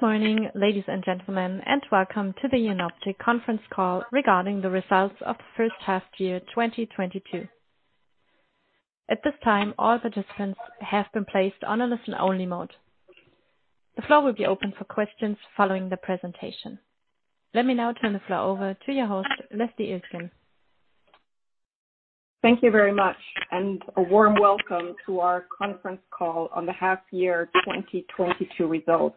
Good morning, Ladies and Gentlemen, and Welcome to the Jenoptik Conference Call regarding the results of First Half Year 2022. At this time, all participants have been placed on a listen-only mode. The floor will be open for questions following the presentation. Let me now turn the floor over to your host, Leslie Iltgen. Thank you very much, and a warm welcome to our conference call on the half year 2022 results.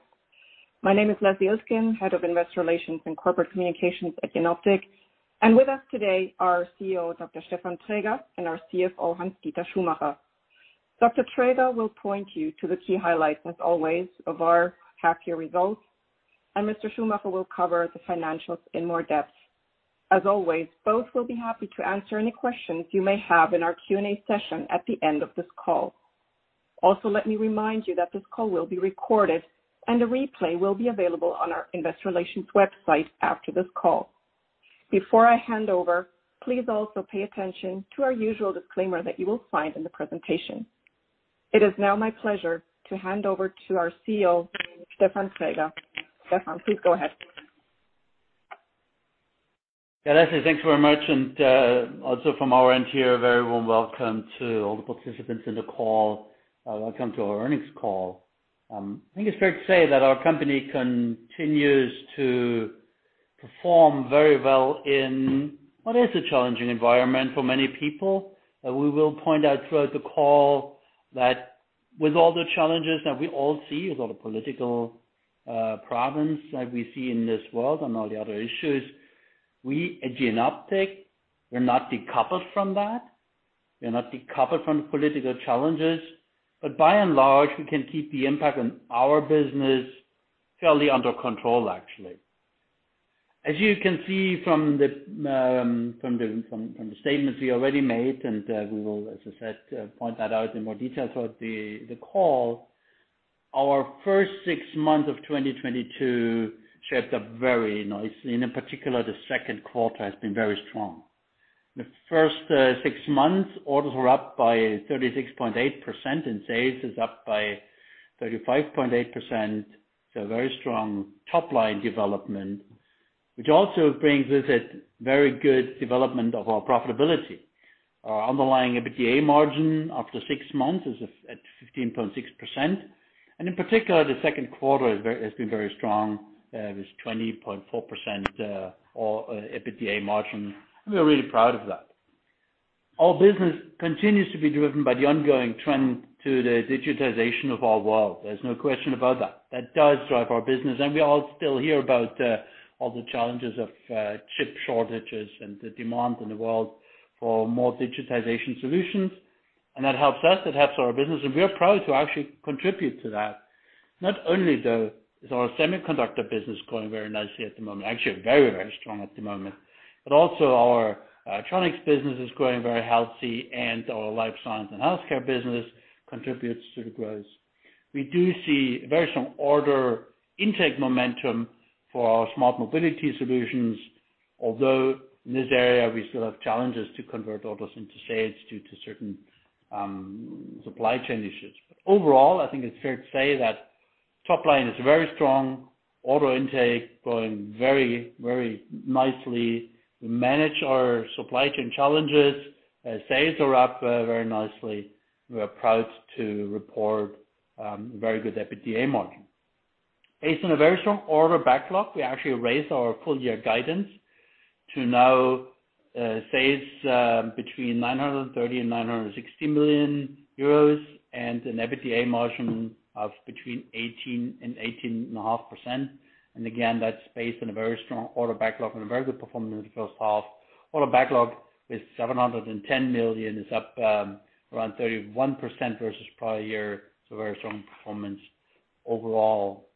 My name is Leslie Iltgen, Head of Investor Relations and Corporate Communications at Jenoptik. With us today are CEO Dr. Stefan Traeger, and our CFO, Hans-Dieter Schumacher. Dr. Traeger will point you to the key highlights, as always, of our half year results, and Mr. Schumacher will cover the financials in more depth. As always, both will be happy to answer any questions you may have in our Q&A session at the end of this call. Also, let me remind you that this call will be recorded, and a replay will be available on our Investor Relations website after this call. Before I hand over, please also pay attention to our usual disclaimer that you will find in the presentation. It is now my pleasure to hand over to our CEO, Stefan Träger. Stefan, please go ahead. Yeah, Leslie, thanks very much. Also from our end here, a very warm welcome to all the participants in the call. Welcome to our earnings call. I think it's fair to say that our company continues to perform very well in what is a challenging environment for many people. We will point out throughout the call that with all the challenges that we all see, with all the political problems that we see in this world and all the other issues, we at Jenoptik, we're not decoupled from that. We're not decoupled from the political challenges. By and large, we can keep the impact on our business fairly under control, actually. As you can see from the statements we already made, we will, as I said, point that out in more detail throughout the call, our first six months of 2022 shaped up very nicely. In particular, the second quarter has been very strong. The first six months, orders were up by 36.8%, and sales is up by 35.8%. Very strong top line development, which also brings with it very good development of our profitability. Our underlying EBITDA margin after six months is at 15.6%. In particular, the second quarter has been very strong. It is 20.4% EBITDA margin. We are really proud of that. Our business continues to be driven by the ongoing trend to the digitization of our world. There's no question about that. That does drive our business. We all still hear about all the challenges of chip shortages and the demand in the world for more digitization solutions. That helps us, it helps our business, and we are proud to actually contribute to that. Not only though is our semiconductor business growing very nicely at the moment, actually very, very strong at the moment, but also our Tronics business is growing very healthy, and our life science and healthcare business contributes to the growth. We do see very strong order intake momentum for our Smart Mobility Solutions, although in this area we still have challenges to convert orders into sales due to certain supply chain issues. Overall, I think it's fair to say that top line is very strong. Order intake going very, very nicely. We manage our supply chain challenges. Sales are up very nicely. We are proud to report very good EBITDA margin. Based on a very strong order backlog, we actually raised our full year guidance to now sales between 930 million and 960 million, and an EBITDA margin of between 18% and 18.5%. Again, that's based on a very strong order backlog and a very good performance in the first half. Order backlog is 710 million. It's up around 31% versus prior year, so very strong performance overall.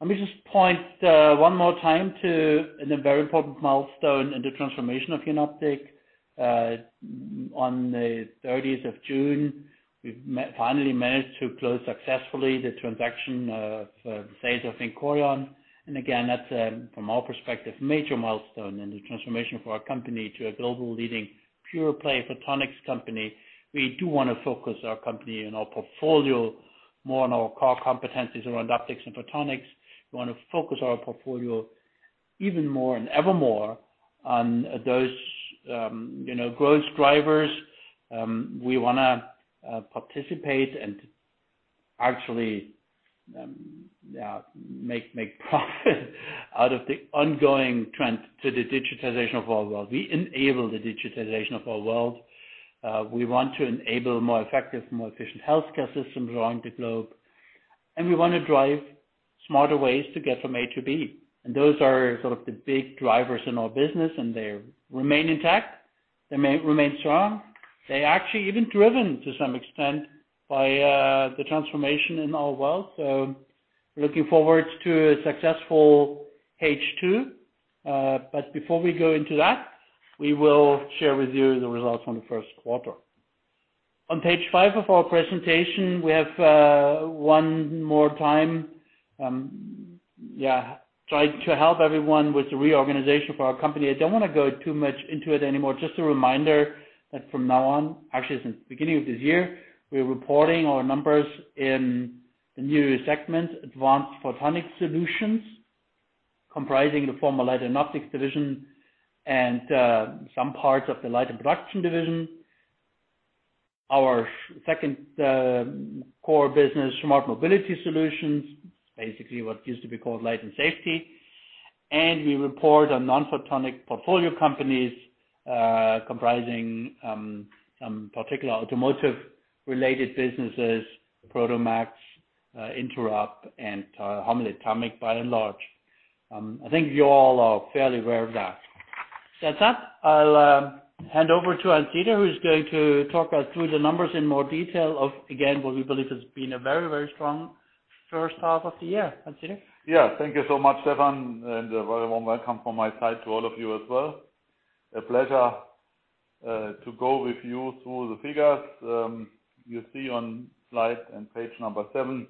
Let me just point one more time to a very important milestone in the transformation of Jenoptik. On the 30th of June, we finally managed to close successfully the transaction of sales of VINCORION. Again, that's from our perspective, major milestone in the transformation for our company to a global leading pure play photonics company. We do wanna focus our company and our portfolio more on our core competencies around optics and photonics. We wanna focus our portfolio even more and evermore on those, you know, growth drivers. We wanna participate and actually make profit out of the ongoing trend to the digitization of our world. We enable the digitization of our world. We want to enable more effective, more efficient healthcare systems around the globe, and we wanna drive smarter ways to get from A to B. Those are sort of the big drivers in our business, and they remain intact. They may remain strong. They're actually even driven to some extent by the transformation in our world. Looking forward to a successful H2. Before we go into that, we will share with you the results from the first quarter. On page five of our presentation, we have one more time tried to help everyone with the reorganization for our company. I don't wanna go too much into it anymore. Just a reminder that from now on, actually since beginning of this year, we're reporting our numbers in the new segment, Advanced Photonic Solutions, comprising the former Laser Optics division and some parts of the Light and Production division. Our second core business, Smart Mobility Solutions, basically what used to be called Light and Safety. We Non-Photonic Portfolio Companies, comprising some particular automotive related businesses, Prodomax, INTEROB and HOMMEL ETAMIC, by and large. I think you all are fairly aware of that. That said, I'll hand over to Hans-Dieter Schumacher, who's going to talk us through the numbers in more detail of again, what we believe has been a very, very strong first half of the year. Hans-Dieter Schumacher. Yeah. Thank you so much, Stefan, and a very warm welcome from my side to all of you as well. A pleasure to go with you through the figures. You see on slide and page number seven,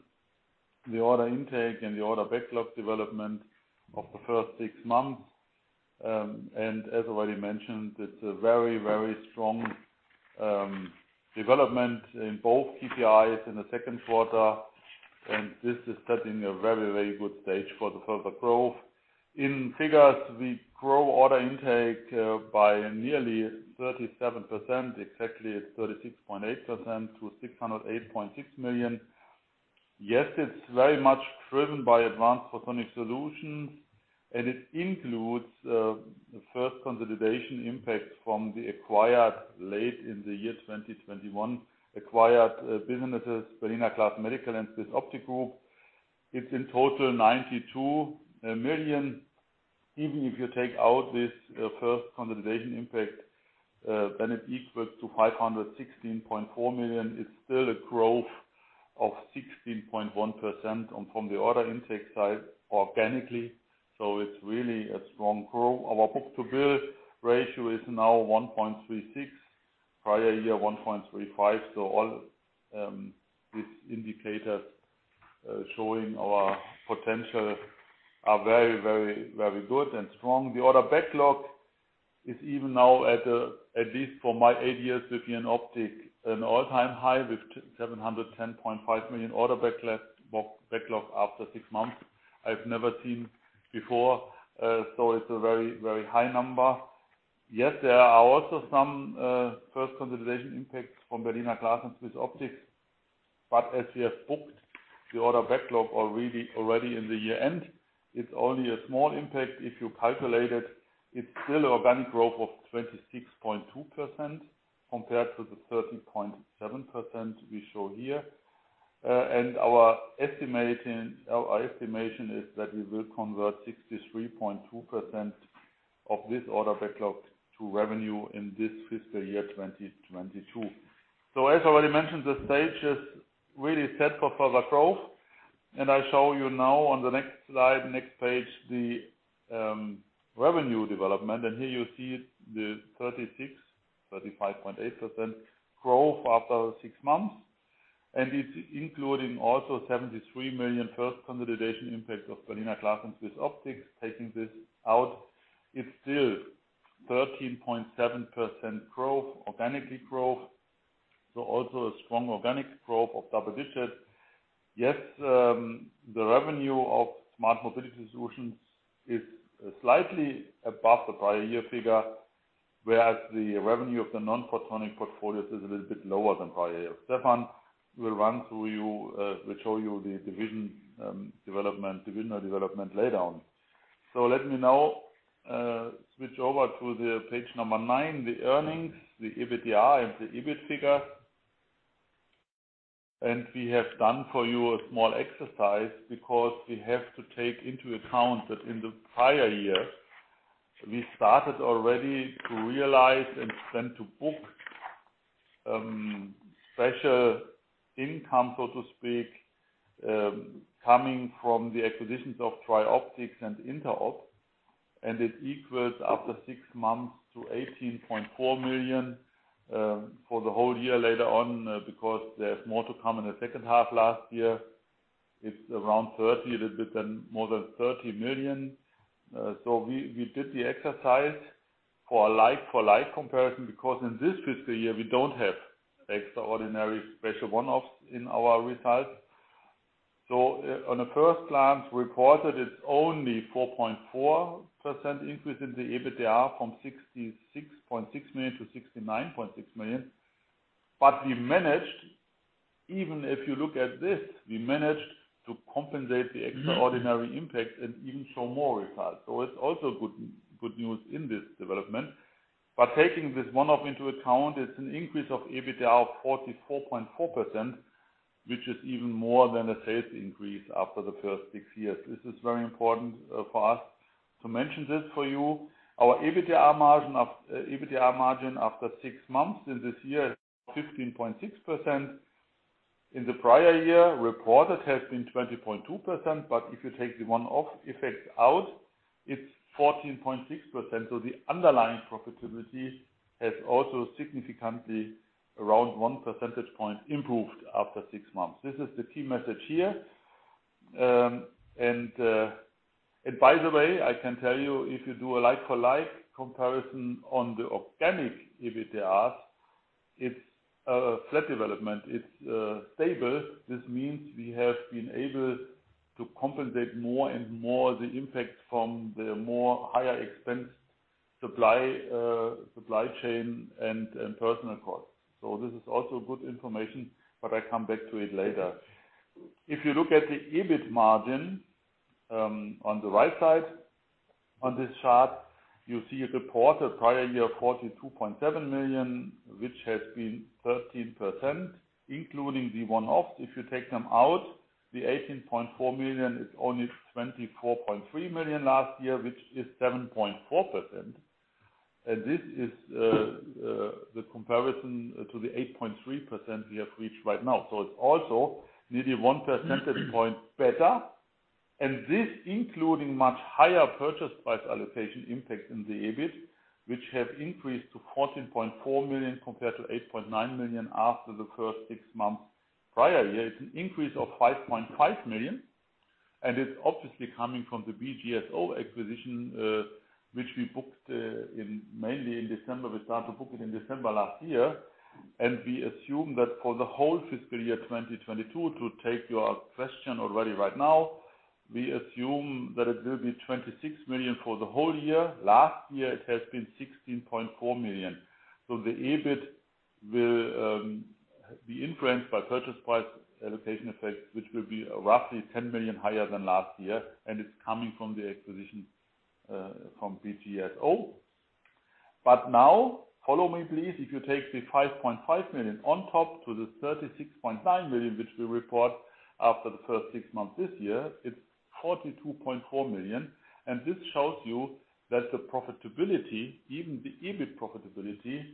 the order intake and the order backlog development of the first six months. As already mentioned, it's a very, very strong development in both KPIs in the second quarter, and this is setting a very, very good stage for the further growth. In figures, we grow order intake by nearly 37%, exactly at 36.8% to 608.6 million. Yes, it's very much driven by Advanced Photonic Solutions, and it includes the first consolidation impact from the acquired late in the year 2021 acquired businesses, Berliner Glas Medical and SwissOptic. It's in total 92 million. Even if you take out this first consolidation impact, then it equals to 516.4 million. It's still a growth of 16.1% from the order intake side organically. It's really a strong growth. Our book-to-bill ratio is now 1.36, prior year 1.35. All these indicators showing our potential are very good and strong. The order backlog is even now at least for my eight years with Jenoptik, an all-time high with 710.5 million order backlog after six months. I've never seen before, so it's a very high number. Yes, there are also some first consolidation impacts from Berliner Glas and SwissOptic. As we have booked the order backlog already in the year-end, it's only a small impact. If you calculate it's still organic growth of 26.2% compared to the 13.7% we show here. Our estimation is that we will convert 63.2% of this order backlog to revenue in this fiscal year, 2022. As already mentioned, the stage is really set for further growth. I show you now on the next slide, next page, the revenue development. Here you see the 35.8% growth after six months. It's including also 73 million first consolidation impact of Berliner Glas and SwissOptic. Taking this out, it's still 13.7% growth, organic growth. Also a strong organic growth of double digits. Yes, the revenue of Smart Mobility Solutions is slightly above the prior year figure, whereas the revenue of the non-photonic portfolios is a little bit lower than prior year. Stefan will show you the divisional development laydown. Let me now switch over to page nine, the earnings, the EBITDA and the EBIT figure. We have done for you a small exercise because we have to take into account that in the prior year, we started already to realize and then to book special income, so to speak, coming from the acquisitions of TRIOPTICS and INTEROB. It equals after six months to 18.4 million for the whole year later on, because there's more to come in the second half last year. It's around 30 million, a little bit more than 30 million. We did the exercise for a like-for-like comparison because in this fiscal year we don't have extraordinary special one-offs in our results. On a first glance, we reported it's only 4.4% increase in the EBITDA from 66.6 million to 69.6 million. We managed, even if you look at this, to compensate the extraordinary impact and even show more results. It's also good news in this development. Taking this one-off into account, it's an increase of EBITDA of 44.4%, which is even more than the sales increase after the first six months. This is very important for us to mention this for you. Our EBITDA margin after six months in this year, 15.6%. In the prior year, reported has been 20.2%, but if you take the one-off effect out, it's 14.6%. The underlying profitability has also significantly around one percentage point improved after six months. This is the key message here. By the way, I can tell you if you do a like-for-like comparison on the organic EBITDA's. It's a flat development. It's stable. This means we have been able to compensate more and more the impact from the higher expensive supply chain and personnel costs. This is also good information, but I come back to it later. If you look at the EBIT margin, on the right side on this chart, you see it reported prior year 42.7 million, which has been 13%, including the one-off. If you take them out, the 18.4 million is only 24.3 million last year, which is 7.4%. This is the comparison to the 8.3% we have reached right now. It's also nearly one percentage point better. This including much higher purchase price allocation impact in the EBIT, which have increased to 14.4 million compared to 8.9 million after the first six months prior year. It's an increase of 5.5 million, and it's obviously coming from the BG Medical acquisition, which we booked mainly in December. We started to book it in December last year. We assume that for the whole fiscal year 2022, to take your question already right now, we assume that it will be 26 million for the whole year. Last year, it has been 16.4 million. The EBIT will be influenced by purchase price allocation effect, which will be roughly 10 million higher than last year, and it's coming from the acquisition from BGSO. Now follow me, please. If you take the 5.5 million on top of the 36.9 million, which we report after the first six months this year, it's 42.4 million. This shows you that the profitability, even the EBIT profitability,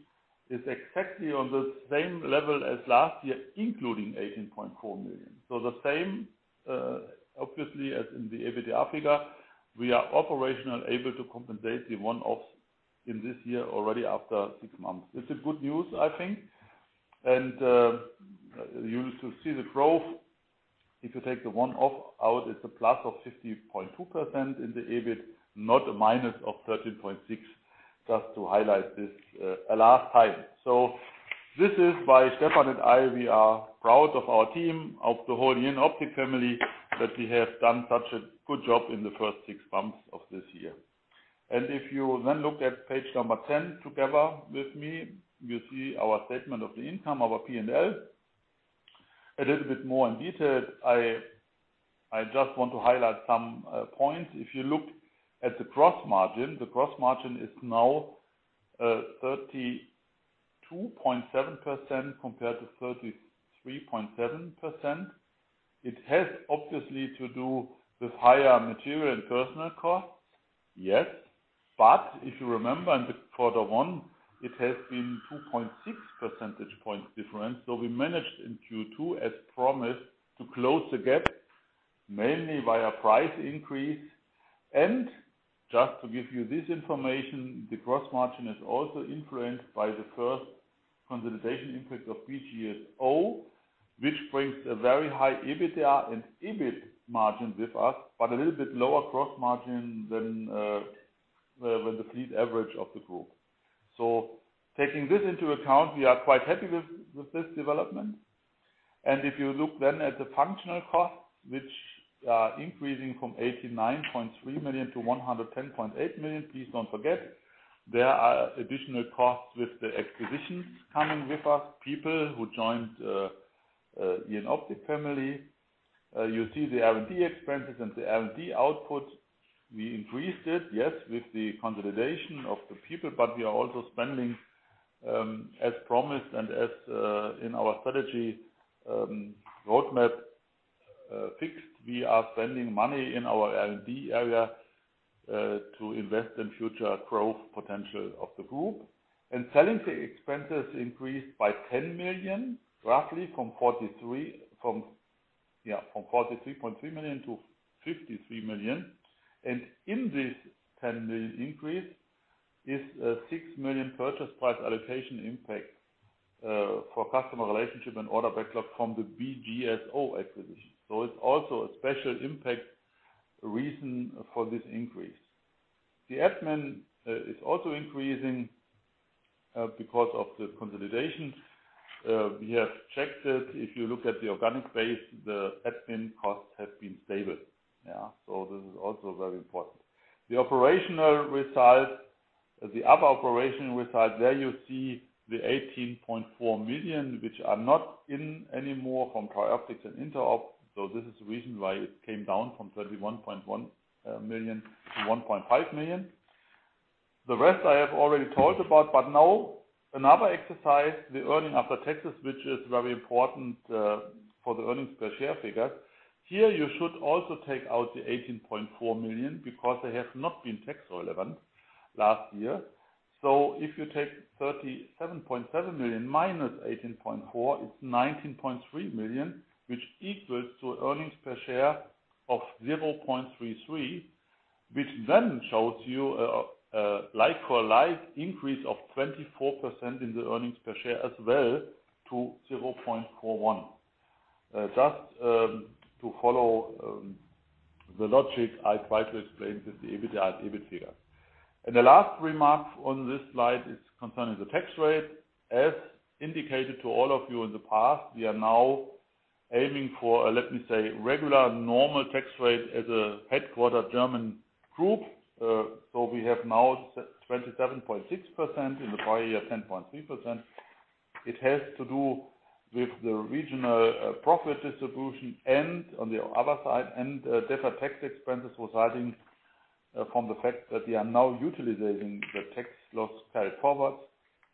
is exactly on the same level as last year, including 18.4 million. The same, obviously as in the EBITDA figure, we are operationally able to compensate the one-offs in this year already after six months. It's good news, I think. To see the growth, if you take the one-off out, it's a plus of 50.2% in the EBIT, not a minus of 13.6, just to highlight this one last time. This is why Stephan and I, we are proud of our team, of the whole Jenoptik family, that we have done such a good job in the first six months of this year. If you then look at page 10 together with me, you see our income statement, our P&L. A little bit more in detail, I just want to highlight some points. If you look at the gross margin, the gross margin is now 32.7% compared to 33.7%. It has obviously to do with higher material and personnel costs, yes. If you remember in quarter one, it has been 2.6 percentage points difference. We managed in Q2 as promised to close the gap mainly via price increase. Just to give you this information, the gross margin is also influenced by the first consolidation impact of BGSO, which brings a very high EBITDA and EBIT margin with us, but a little bit lower gross margin than the fleet average of the group. Taking this into account, we are quite happy with this development. If you look then at the functional costs, which are increasing from 89.3 million to 110.8 million, please don't forget there are additional costs with the acquisitions coming with us, people who joined Jenoptik family. You see the R&D expenses and the R&D output. We increased it, yes, with the consolidation of the people, but we are also spending, as promised and as, in our strategy, roadmap, fixed. We are spending money in our R&D area, to invest in future growth potential of the group. Selling expenses increased by 10 million, roughly from 43.3 million to 53 million. In this 10 million increase is a 6 million purchase price allocation impact, for customer relationship and order backlog from the BGSO acquisition. It's also a special impact reason for this increase. The admin is also increasing because of the consolidation. We have checked it. If you look at the organic base, the admin costs have been stable. Yeah. This is also very important. The other operational result, there you see the 18.4 million, which are not in anymore from TRIOPTICS and INTEROB. This is the reason why it came down from 31.1 million to 1.5 million. The rest I have already told about. Now another exercise, the earnings after taxes, which is very important for the earnings per share figures. Here you should also take out the 18.4 million because they have not been tax relevant last year. If you take 37.7 million minus 18.4 million, it's 19.3 million, which equals to earnings per share of 0.33, which then shows you a like-for-like increase of 24% in the earnings per share as well to 0.41. Just to follow the logic I try to explain with the EBIT here. The last remark on this slide is concerning the tax rate. As indicated to all of you in the past, we are now aiming for a, let me say, regular normal tax rate as a headquarter German group. So we have now 27.6%, in the prior year, 10.3%. It has to do with the regional profit distribution and on the other side, deferred tax expenses resulting from the fact that we are now utilizing the tax loss carried forward.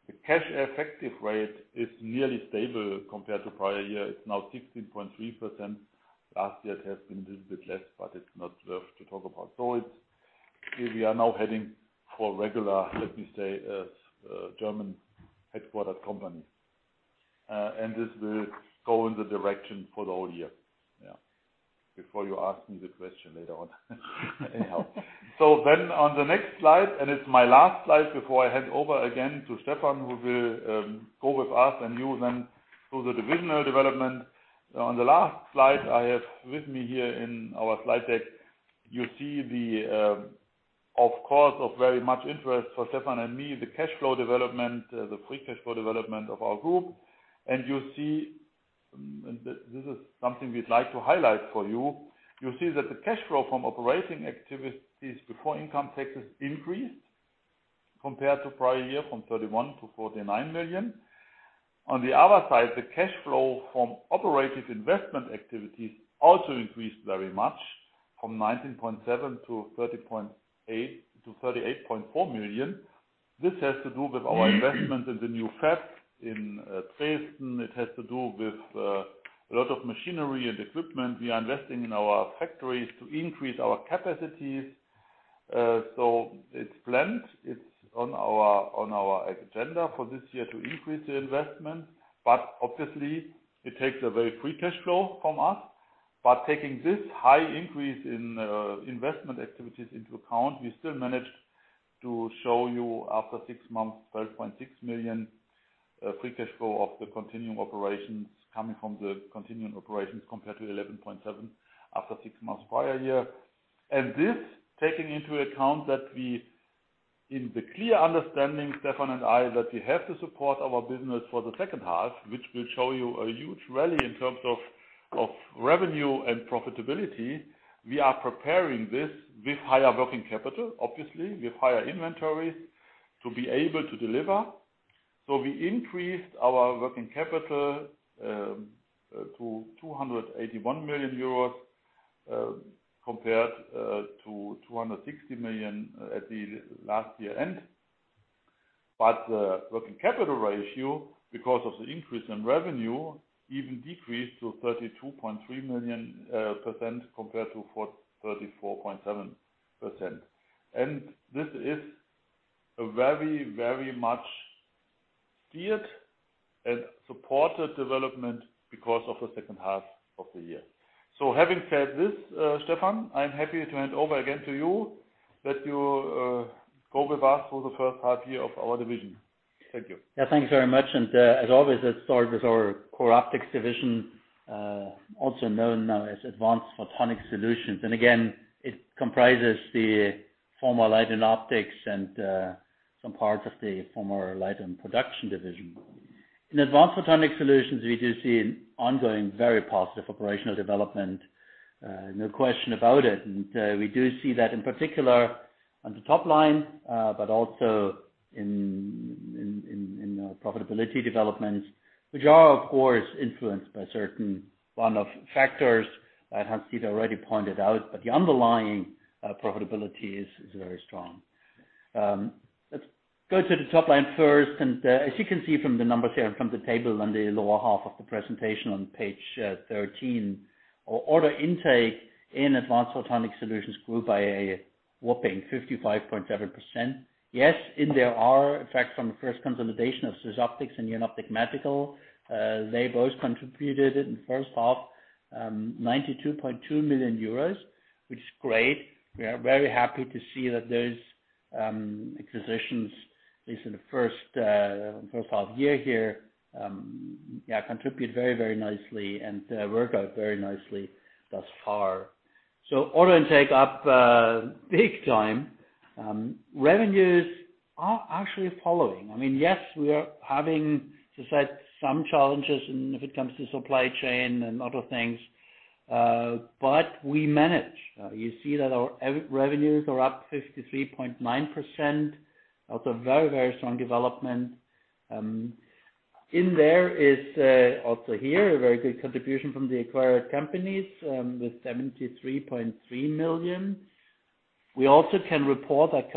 The cash effective rate is nearly stable compared to prior year. It's now 16.3%. Last year it has been a little bit less, but it's not worth to talk about. We are now heading for regular, let me say, German-headquartered company. This will go in the direction for the whole year. Yeah. Before you ask me the question later on. Anyhow. On the next slide, it's my last slide before I hand over again to Stefan, who will go with us and you through the divisional development. On the last slide I have with me here in our slide deck, you see the, of course, of very much interest for Stefan and me, the cash flow development, the free cash flow development of our group. You see, this is something we'd like to highlight for you. You see that the cash flow from operating activities before income taxes increased compared to prior year from 31 million to 49 million. On the other side, the cash flow from operated investment activities also increased very much from 19.7 million to 38.4 million. This has to do with our investment in the new fab in Dresden. It has to do with a lot of machinery and equipment. We are investing in our factories to increase our capacities. So it's planned. It's on our agenda for this year to increase the investment, but obviously it takes a very free cash flow from us. Taking this high increase in investment activities into account, we still managed to show you after six months 12.6 million free cash flow of the continuing operations coming from the continuing operations compared to 11.7 million after six months prior year. This, taking into account that we, in the clear understanding, Stefan and I, that we have to support our business for the second half, which will show you a huge rally in terms of revenue and profitability. We are preparing this with higher working capital, obviously, with higher inventory to be able to deliver. We increased our working capital to 281 million euros compared to 260 million at the last year-end. Working capital ratio, because of the increase in revenue, even decreased to 32.3% compared to 34.7%. This is a very much favored and supported development because of the second half of the year. Having said this, Stefan, I'm happy to hand over again to you that you go with us through the first half year of our division. Thank you. Yeah, thank you very much. As always, let's start with our core optics division, also known now as Advanced Photonic Solutions. Again, it comprises the former Light & Optics and some parts of the former Light & Production division. In Advanced Photonic Solutions, we do see an ongoing, very positive operational development. No question about it. We do see that in particular on the top line, but also in profitability developments. Which are, of course, influenced by a certain one-off factors that Hans-Dieter already pointed out, but the underlying profitability is very strong. Let's go to the top line first. As you can see from the numbers here and from the table on the lower half of the presentation on page 13. Our order intake in Advanced Photonic Solutions grew by a whopping 55.7%. Yes, from the first consolidation of SwissOptic and Jenoptik Medical. They both contributed in the first half, 92.2 million euros, which is great. We are very happy to see that those acquisitions, at least in the first half year here, contribute very, very nicely and work out very nicely thus far. Order intake up big time. Revenues are actually following. I mean, yes, we are facing some challenges if it comes to supply chain and other things, but we manage. You see that our revenues are up 53.9%. Also very, very strong development. There is also a very good contribution from the acquired companies with 73.3 million. We also can report that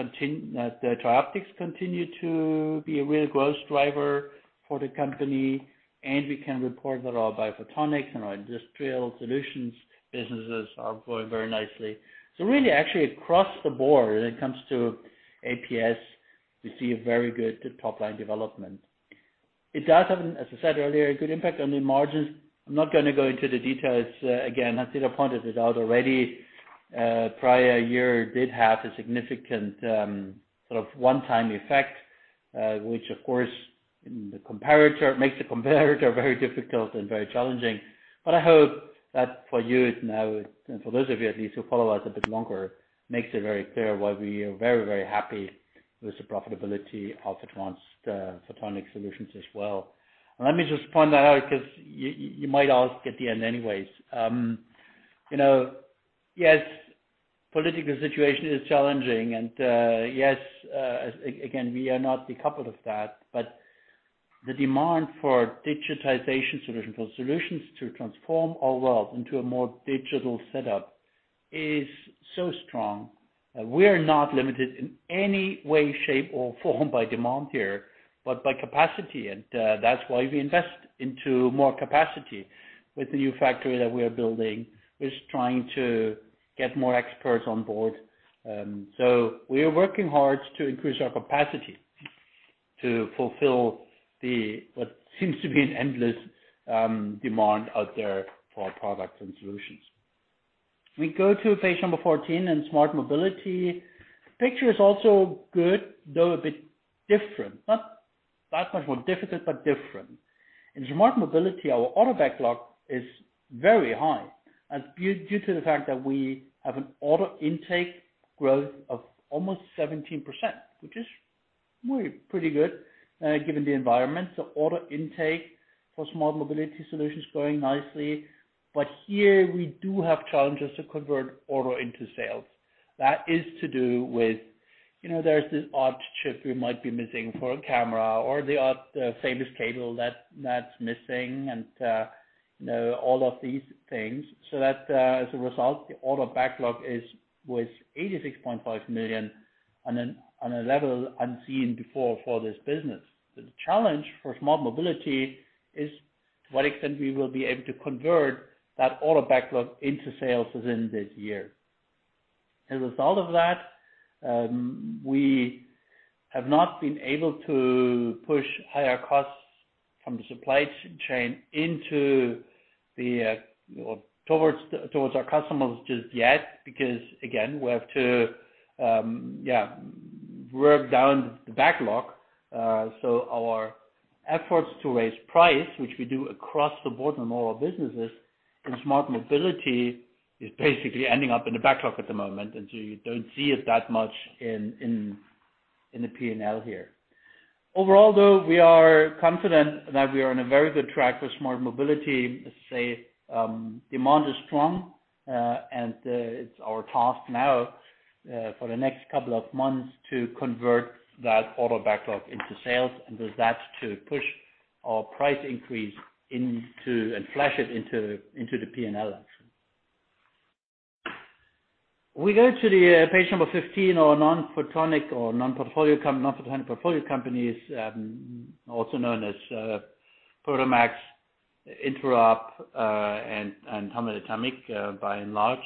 the TRIOPTICS continue to be a real growth driver for the company, and we can report that our photonics and our industrial solutions businesses are growing very nicely. Really actually across the board when it comes to APS, we see a very good top line development. It does have, as I said earlier, a good impact on the margins. I'm not gonna go into the details. Again, Hans-Dieter pointed it out already. Prior year did have a significant sort of one-time effect. Which of course, the comparator makes very difficult and very challenging. I hope that for you now, and for those of you at least who follow us a bit longer, makes it very clear why we are very, very happy with the profitability of Advanced Photonic Solutions as well. Let me just point that out because you might ask at the end anyways. You know, yes, political situation is challenging and, yes, again, we are not decoupled of that, but the demand for digitization solution, for solutions to transform our world into a more digital setup is so strong that we are not limited in any way, shape, or form by demand here, but by capacity. That's why we invest into more capacity with the new factory that we are building, with trying to get more experts on board. We are working hard to increase our capacity to fulfill the, what seems to be an endless, demand out there for our products and solutions. We go to page number 14 in Smart Mobility. Picture is also good, though a bit different. Not that much more difficult, but different. In Smart Mobility, our order backlog is very high, and due to the fact that we have an order intake growth of almost 17%, which is pretty good, given the environment. Order intake for Smart Mobility Solutions growing nicely. Here we do have challenges to convert order into sales. That is to do with, you know, there's this odd chip we might be missing for a camera or the odd, famous cable that's missing and, you know, all of these things. That as a result, the order backlog is with 86.5 million on a level unseen before for this business. The challenge for Smart Mobility is to what extent we will be able to convert that order backlog into sales within this year. As a result of that, we have not been able to push higher costs from the supply chain into or towards our customers just yet, because again, we have to work down the backlog. Our efforts to raise price, which we do across the board in all our businesses, in Smart Mobility is basically ending up in the backlog at the moment, and you don't see it that much in the P&L here. Overall, though, we are confident that we are on a very good track with Smart Mobility. Let's say, demand is strong, and it's our task now, for the next couple of months to convert that order backlog into sales and with that to push our price increase and flush it into the P&L actually. We go to page Non-Photonic Portfolio Companies, also known as Prodomax, INTEROB, and HOMMEL ETAMIC, by and large.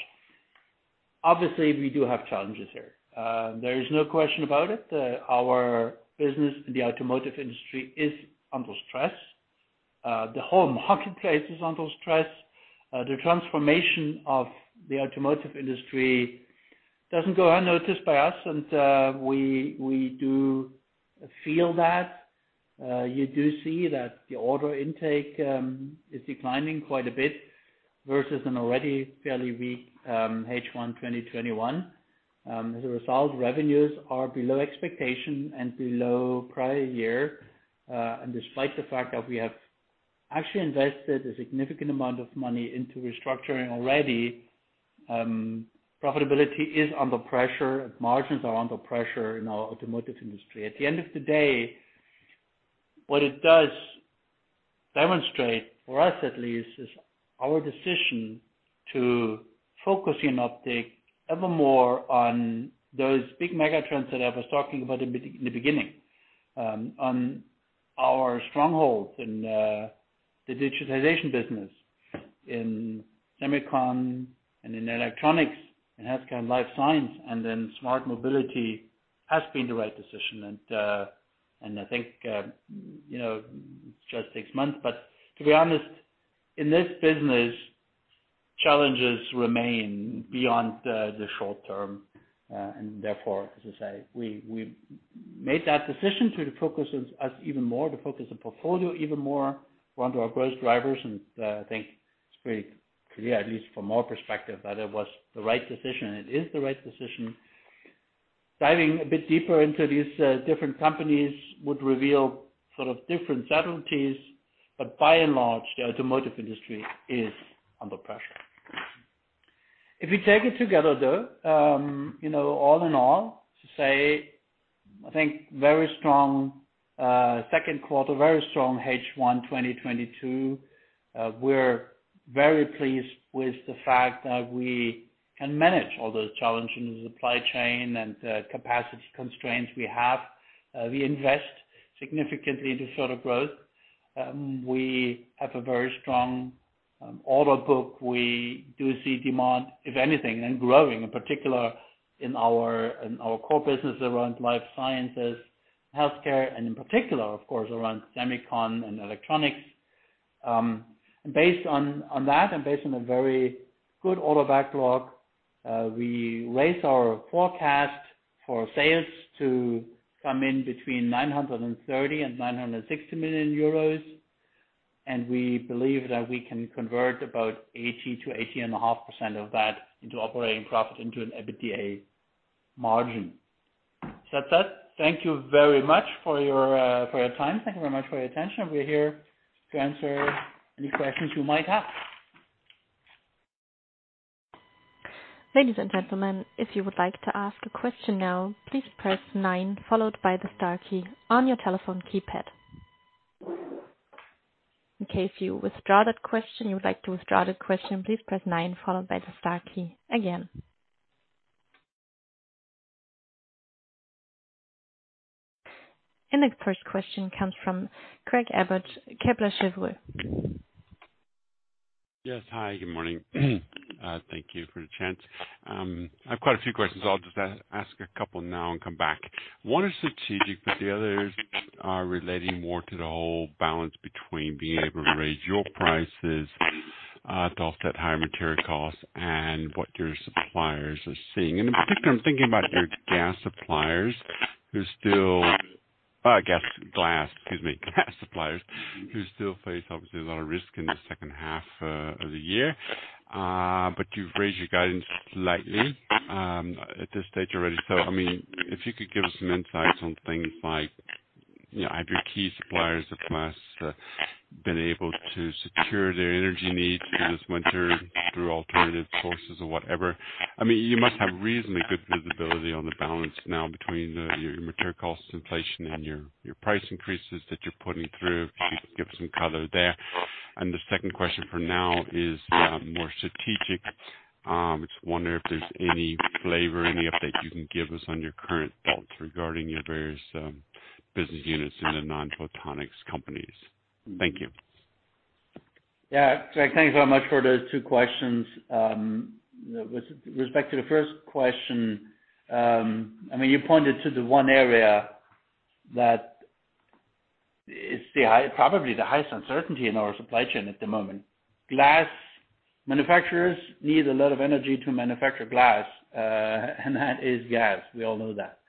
Obviously, we do have challenges here. There is no question about it. Our business in the automotive industry is under stress. The whole marketplace is under stress. The transformation of the automotive industry doesn't go unnoticed by us and we do feel that. You do see that the order intake is declining quite a bit versus an already fairly weak H1 2021. As a result, revenues are below expectation and below prior year. Despite the fact that we have actually invested a significant amount of money into restructuring already, profitability is under pressure, margins are under pressure in our automotive industry. At the end of the day, what it does demonstrate, for us at least, is our decision to focus ever more on those big mega trends that I was talking about in the beginning. On our strongholds in the digitization business, in semicon and in electronics and healthcare and life science, and then Smart Mobility has been the right decision. I think, you know, it just takes months. To be honest, in this business, challenges remain beyond the short term, and therefore, as I say, we made that decision to focus us even more, to focus the portfolio even more onto our growth drivers. I think it's pretty clear, at least from our perspective, that it was the right decision. It is the right decision. Diving a bit deeper into these different companies would reveal sort of different subtleties, but by and large, the automotive industry is under pressure. If you take it together, though, you know, all in all, to say, I think very strong second quarter, very strong H1 2022. We're very pleased with the fact that we can manage all those challenges in the supply chain and the capacity constraints we have. We invest significantly into sort of growth. We have a very strong order book. We do see demand, if anything, and growing, in particular in our core business around life sciences, healthcare, and in particular, of course, around semicon and electronics. Based on that and based on a very good order backlog, we raised our forecast for sales to come in between 930 million and 960 million. We believe that we can convert about 80%-80.5% of that into operating profit into an EBITDA margin. That's that. Thank you very much for your time. Thank you very much for your attention. We're here to answer any questions you might have. Ladies and gentlemen, if you would like to ask a question now, please press nine followed by the star key on your telephone keypad. In case you withdraw that question, please press nine followed by the star key again. The first question comes from Craig Abbott, Kepler Cheuvreux. Yes. Hi, good morning. Thank you for the chance. I've quite a few questions. I'll just ask a couple now and come back. One is strategic, but the others are relating more to the whole balance between being able to raise your prices to offset higher material costs and what your suppliers are seeing. In particular, I'm thinking about your glass suppliers who still face obviously a lot of risk in the second half of the year. You've raised your guidance slightly at this stage already. I mean, if you could give us some insights on things like, you know, have your key suppliers of glass been able to secure their energy needs through this winter through alternative sources or whatever? I mean, you must have reasonably good visibility on the balance now between your material cost inflation and your price increases that you're putting through. If you could give us some color there. The second question for now is more strategic. Just wondering if there's any flavor, any update you can give us on your current thoughts regarding your various business units in the non-photonics companies. Thank you. Yeah. Craig, thank you very much for those two questions. With respect to the first question, I mean, you pointed to the one area that is the probably highest uncertainty in our supply chain at the moment. Glass manufacturers need a lot of energy to manufacture glass, and that is gas. We all know that.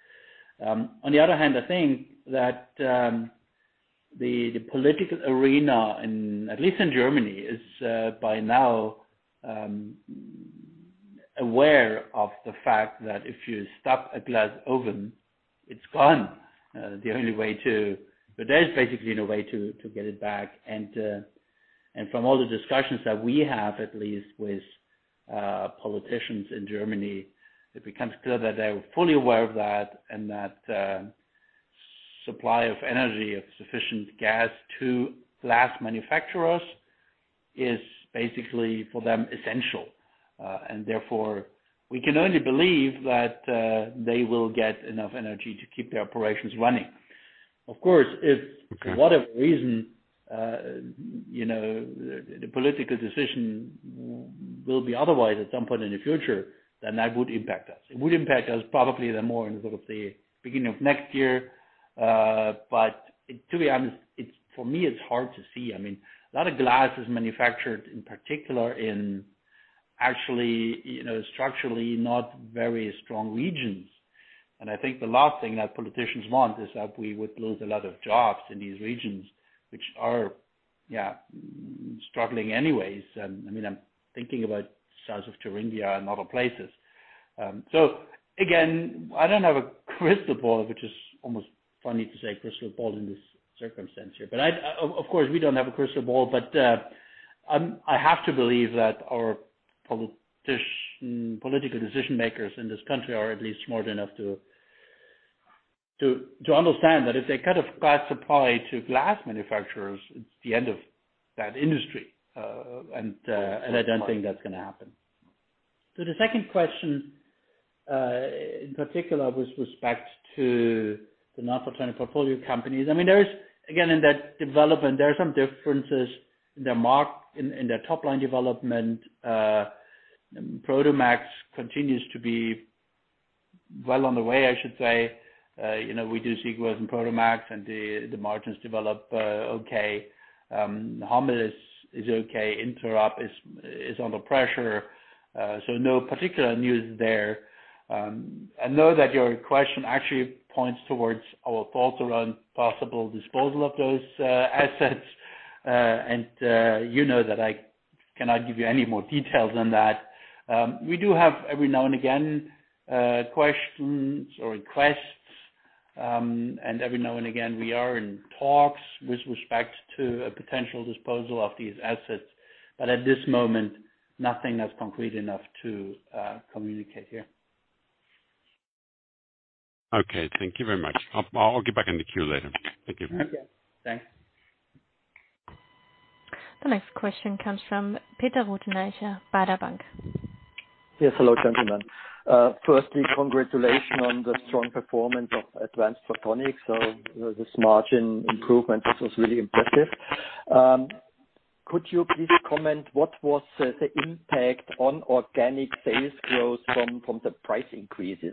On the other hand, I think that the political arena in, at least in Germany, is by now aware of the fact that if you stop a glass oven, it's gone. There's basically no way to get it back. From all the discussions that we have, at least with politicians in Germany, it becomes clear that they are fully aware of that and that supply of energy, of sufficient gas to glass manufacturers is basically, for them, essential. Therefore, we can only believe that they will get enough energy to keep their operations running. Of course, if. Okay. For whatever reason, you know, the political decision will be otherwise at some point in the future, then that would impact us. It would impact us probably the more in sort of the beginning of next year. But to be honest, for me, it's hard to see. I mean, a lot of glass is manufactured, in particular in actually, you know, structurally not very strong regions. I think the last thing that politicians want is that we would lose a lot of jobs in these regions which are struggling anyways. I mean, I'm thinking about south of Thuringia and other places. Again, I don't have a crystal ball, which is almost funny to say crystal ball in this circumstance here. But of course, we don't have a crystal ball. I have to believe that our political decision makers in this country are at least smart enough to understand that if they cut off glass supply to glass manufacturers, it's the end of that industry. I don't think that's gonna happen. To the second question, in particular with respect Non-Photonic Portfolio Companies. i mean, there is, again, in that development, there are some differences in their top line development. Prodomax continues to be well on the way, I should say. You know, we do sales in Prodomax and the margins develop okay. Hommel is okay. INTEROB is under pressure. No particular news there. I know that your question actually points towards our thoughts around possible disposal of those assets. You know that I cannot give you any more details on that. We do have every now and again questions or requests, and every now and again, we are in talks with respect to a potential disposal of these assets. At this moment, nothing that's concrete enough to communicate here. Okay, thank you very much. I'll get back in the queue later. Thank you. Okay. Thanks. The next question comes from Peter Rothenaicher, Baader Bank. Yes. Hello, gentlemen. Firstly, congratulations on the strong performance of Advanced Photonic Solutions. You know, this margin improvement, this was really impressive. Could you please comment what was the impact on organic sales growth from the price increases?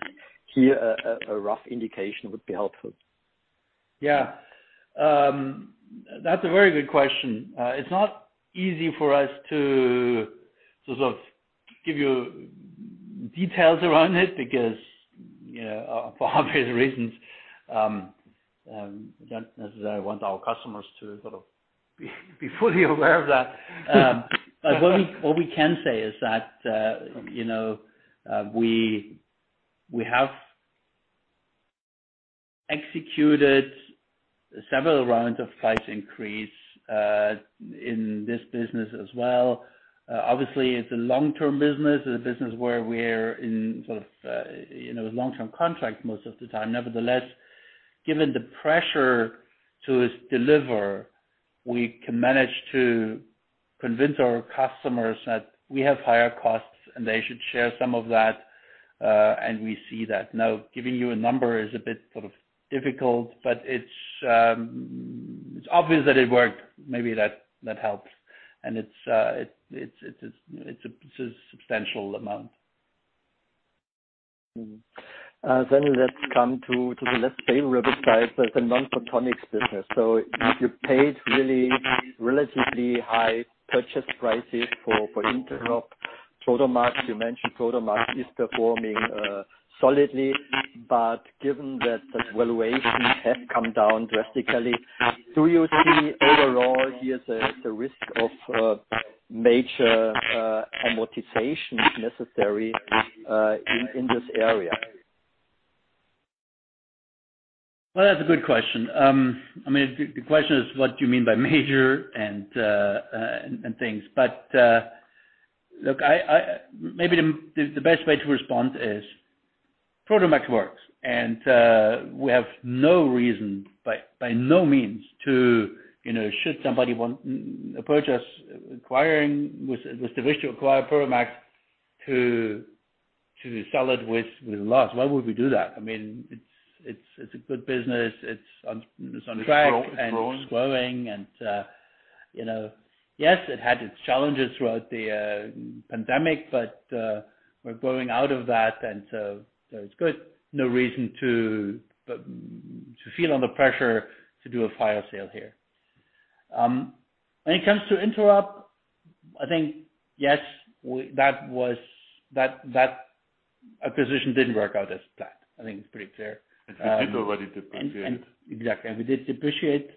Here, a rough indication would be helpful. Yeah. That's a very good question. It's not easy for us to sort of give you details around it because, you know, for obvious reasons, we don't necessarily want our customers to sort of be fully aware of that. What we can say is that, you know, we have executed several rounds of price increase in this business as well. Obviously, it's a long-term business. It's a business where we're in sort of, you know, long-term contract most of the time. Nevertheless, given the pressure to deliver, we can manage to convince our customers that we have higher costs, and they should share some of that, and we see that. Now, giving you a number is a bit sort of difficult, but it's obvious that it worked. Maybe that helps. It's a substantial amount. Let's come to the less favorable side of the non-photonics business. You paid really relatively high purchase prices for INTEROB, Prodomax. You mentioned Prodomax is performing solidly. Given that the valuation has come down drastically, do you see overall here the risk of major amortization necessary in this area? Well, that's a good question. I mean, the question is what do you mean by major and things. Look, maybe the best way to respond is Prodomax works, and we have no reason by no means, you know, should somebody want to approach us with the wish to acquire Prodomax to sell it at a loss. Why would we do that? I mean, it's a good business. It's on track. It's growing. It's growing. You know, yes, it had its challenges throughout the pandemic, but we're growing out of that, and so it's good. No reason to feel under pressure to do a fire sale here. When it comes to INTEROB, I think, yes, that acquisition didn't work out as planned. I think it's pretty clear. We did already depreciate it. Exactly. We did depreciate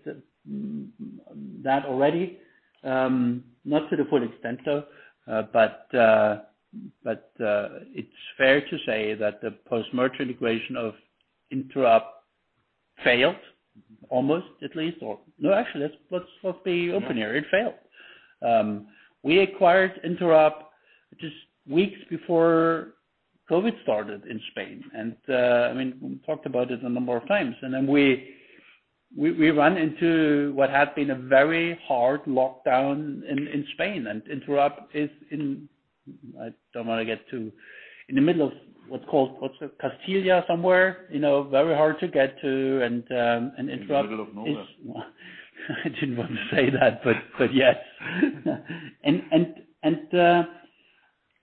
that already. Not to the full extent, though. But it's fair to say that the post-merger integration of INTEROB failed, almost at least. Actually, let's be open here. It failed. We acquired INTEROB just weeks before COVID started in Spain. I mean, we talked about it a number of times, and then we run into what had been a very hard lockdown in Spain. INTEROB is in the middle of what's called Castilla somewhere, you know, very hard to get to. In the middle of nowhere. I didn't want to say that, but yes.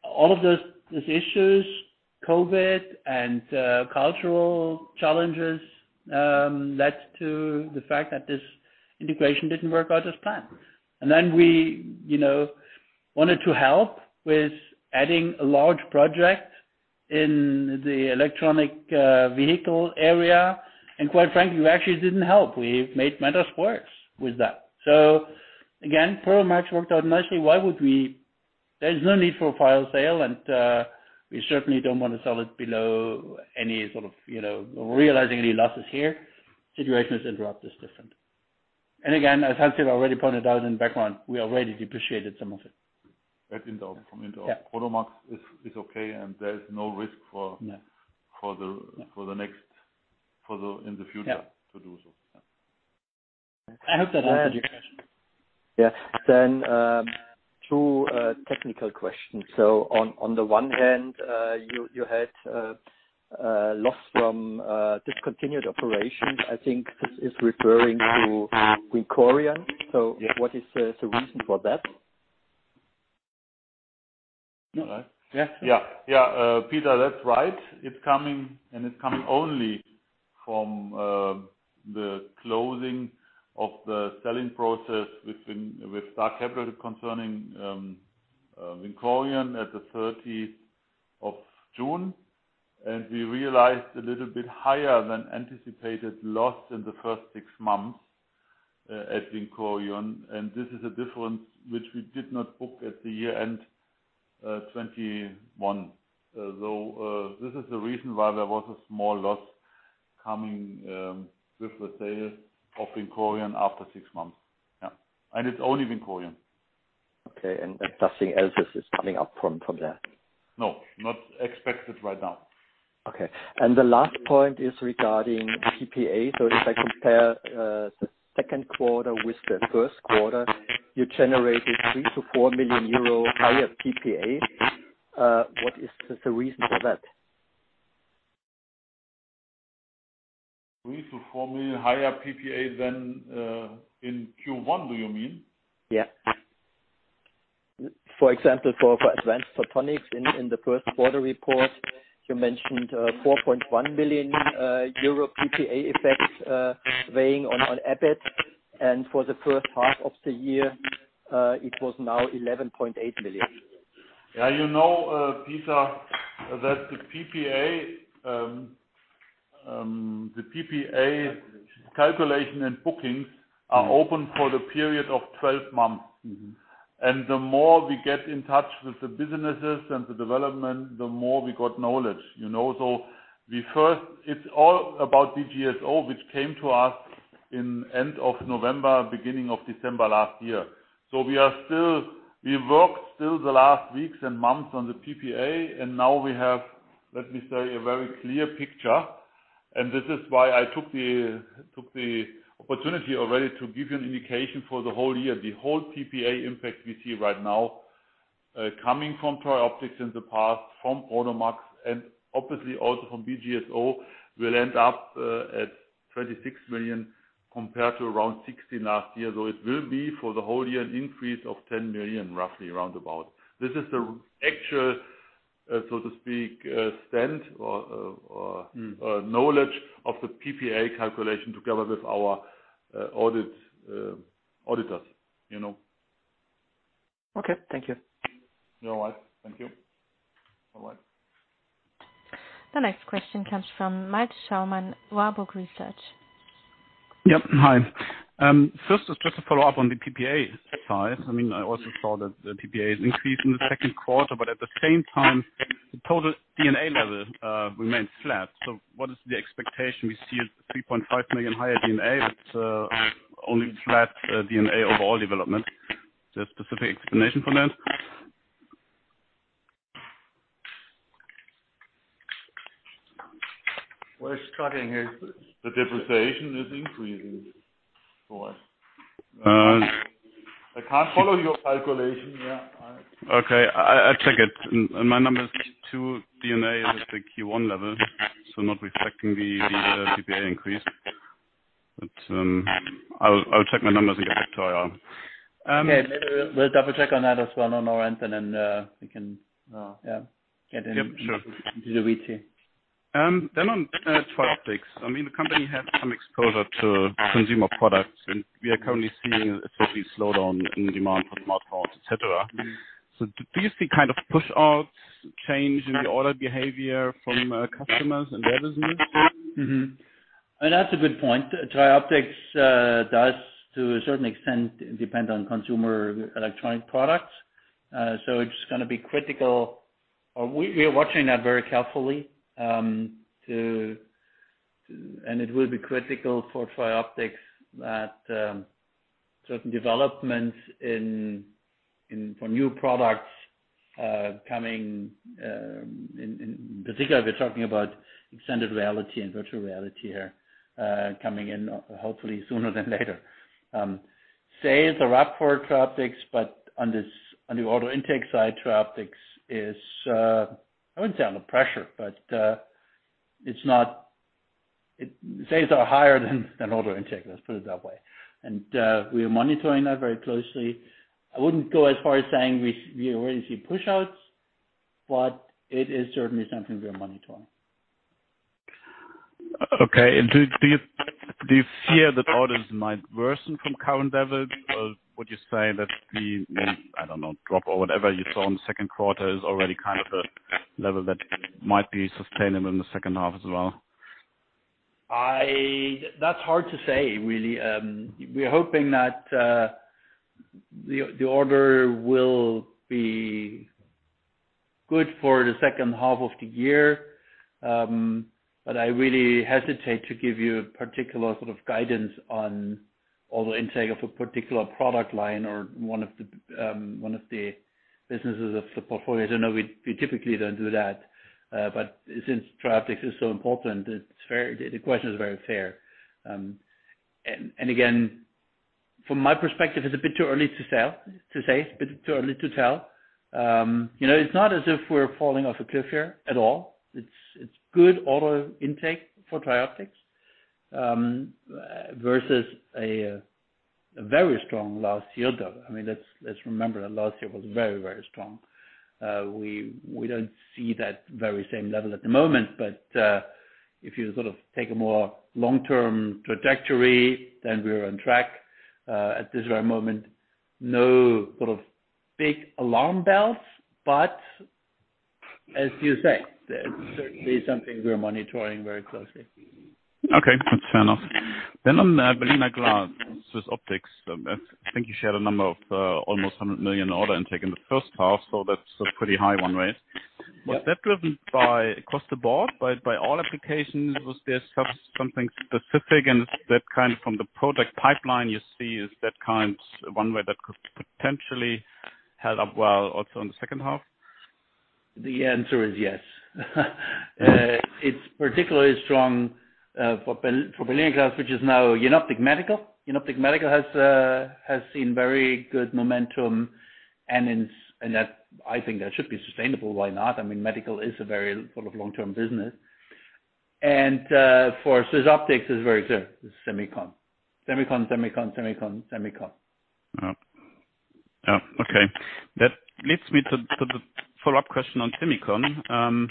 all of those issues, COVID and cultural challenges, led to the fact that this integration didn't work out as planned. we, you know, wanted to help with adding a large project in the electric vehicle area, and quite frankly, we actually didn't help. We made matters worse with that. again, Prodomax worked out nicely. Why would we? There's no need for a fire sale, and we certainly don't want to sell it below any sort of, you know, realizing any losses here. Situation with INTEROB is different. as Hans-Jörg already pointed out in the background, we already depreciated some of it. That INTEROB from INTEROB. Yeah. Prodomax is okay, and there is no risk for Yeah. For the- Yeah. For the next.. For the in the future- Yeah. To do so. Yeah. I hope that answered your question. Yeah. Two technical questions. On the one hand, you had a loss from discontinued operations. I think this is referring to VINCORION. Yeah. What is the reason for that? All right. Yeah. Yeah. Peter, that's right. It's coming, and it's coming only from the closing of the selling process with STAR Capital concerning VINCORION on June 30. We realized a little bit higher than anticipated loss in the first six months at VINCORION. This is a difference which we did not book at the year-end 2021. This is the reason why there was a small loss coming with the sale of VINCORION after six months. Yeah. It's only VINCORION. Okay. Nothing else is coming up from there? No, not expected right now. Okay. The last point is regarding PPA. If I compare the second quarter with the first quarter, you generated 3 million-4 million euro higher PPA. What is the reason for that? EUR 3-4 million higher PPA than in Q1, do you mean? For example, Advanced Photonic Solutions in the first quarter report, you mentioned 4.1 million euro PPA effects weighing on EBIT, and for the first half of the year, it was now 11.8 million. Yeah, you know, Peter, that the PPA calculation and bookings are open for the period of 12 months. And the more we get in touch with the businesses and the development, the more we got knowledge, you know. It's all about BGSO, which came to us in end of November, beginning of December last year. We worked still the last weeks and months on the PPA, and now we have, let me say, a very clear picture. This is why I took the opportunity already to give you an indication for the whole year. The whole PPA impact we see right now, coming from TRIOPTICS in the past, from Prodomax, and obviously also from BGSO, will end up at 26 million compared to around 16 million last year. It will be for the whole year an increase of 10 million, roughly around about. This is the actual, so to speak, standard knowledge of the PPA calculation together with our auditors, you know. Okay. Thank you. You're all right. Thank you. Bye-bye. The next question comes from Malte Schaumann, Warburg Research. Yep. Hi. First, just to follow up on the PPA side. I mean, I also saw that the PPA has increased in the second quarter, but at the same time, the total D&A level remains flat. What is the expectation? We see it 3.5 million higher D&A, but only flat D&A overall development. Is there a specific explanation for that? We're struggling here. The depreciation is increasing for us.I can't follow your calculation, yeah. Okay. I'll check it. My number is too D&A with the Q1 level, so not reflecting the PPA increase. I'll check my numbers again with Leslie Iltgen. Okay. We'll double-check on that as well on our end, and then we can get in- Yep, sure. To the roots here. On TRIOPTICS. I mean, the company has some exposure to consumer products, and we are currently seeing a 50% slowdown in demand for smartphones, et cetera. Do you see kind of pushouts, change in the order behavior from customers and their business? That's a good point. TRIOPTICS does to a certain extent depend on consumer electronic products. So it's gonna be critical. We are watching that very carefully, and it will be critical for TRIOPTICS that certain developments for new products coming in particular, we're talking about extended reality and virtual reality here, coming in hopefully sooner than later. Sales are up for TRIOPTICS, but on the order intake side, TRIOPTICS is. I wouldn't say under pressure, but Sales are higher than order intake, let's put it that way. We are monitoring that very closely. I wouldn't go as far as saying we already see pushouts, but it is certainly something we are monitoring. Do you fear that orders might worsen from current levels? Or would you say that the, I don't know, drop or whatever you saw in the second quarter is already kind of a level that might be sustainable in the second half as well? That's hard to say, really. We're hoping that the order will be good for the second half of the year. I really hesitate to give you a particular sort of guidance on all the intake of a particular product line or one of the businesses of the portfolio. I don't know, we typically don't do that, but since TRIOPTICS is so important, the question is very fair. Again, from my perspective, it's a bit too early to say. It's a bit too early to tell. You know, it's not as if we're falling off a cliff here at all. It's good order intake for TRIOPTICS versus a very strong last year, though. I mean, let's remember that last year was very strong. We don't see that very same level at the moment, but if you sort of take a more long-term trajectory, then we're on track. At this very moment, no sort of big alarm bells, but as you say, certainly something we're monitoring very closely. Okay. That's fair enough. On Berliner Glas, SwissOptic, I think you shared a number of almost 100 million order intake in the first half, so that's a pretty high one, right? Yeah. Was that driven across the board by all applications? Was there something specific in that kind from the product pipeline you see? Is that kind one way that could potentially hold up well also in the second half? The answer is yes. It's particularly strong for Berliner Glas, which is now Jenoptik Medical. Jenoptik Medical has seen very good momentum and that I think that should be sustainable. Why not? I mean, medical is a very sort of long-term business. For SwissOptic, it's very clear. It's semicon. That leads me to the follow-up question on semicon.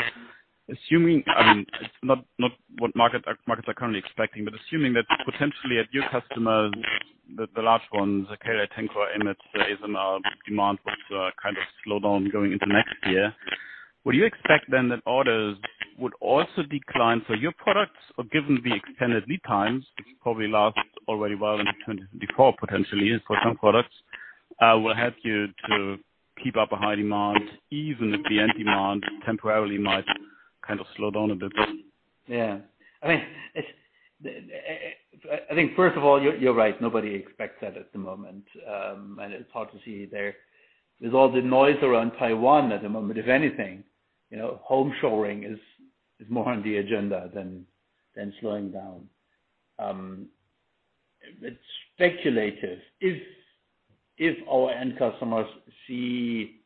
Assuming, I mean, not what markets are currently expecting, but assuming that potentially a new customer, the large ones, okay, I think where ASML is in our demand will kind of slow down going into next year. Would you expect then that orders would also decline for your products or given the extended lead times, which probably last already well into 2024 potentially for some products, will help you to keep up a high demand, even if the end demand temporarily might kind of slow down a bit? Yeah. I mean, it's I think first of all, you're right. Nobody expects that at the moment, and it's hard to see. There is all the noise around Taiwan at the moment. If anything, you know, home shoring is more on the agenda than slowing down. It's speculative. If our end customers see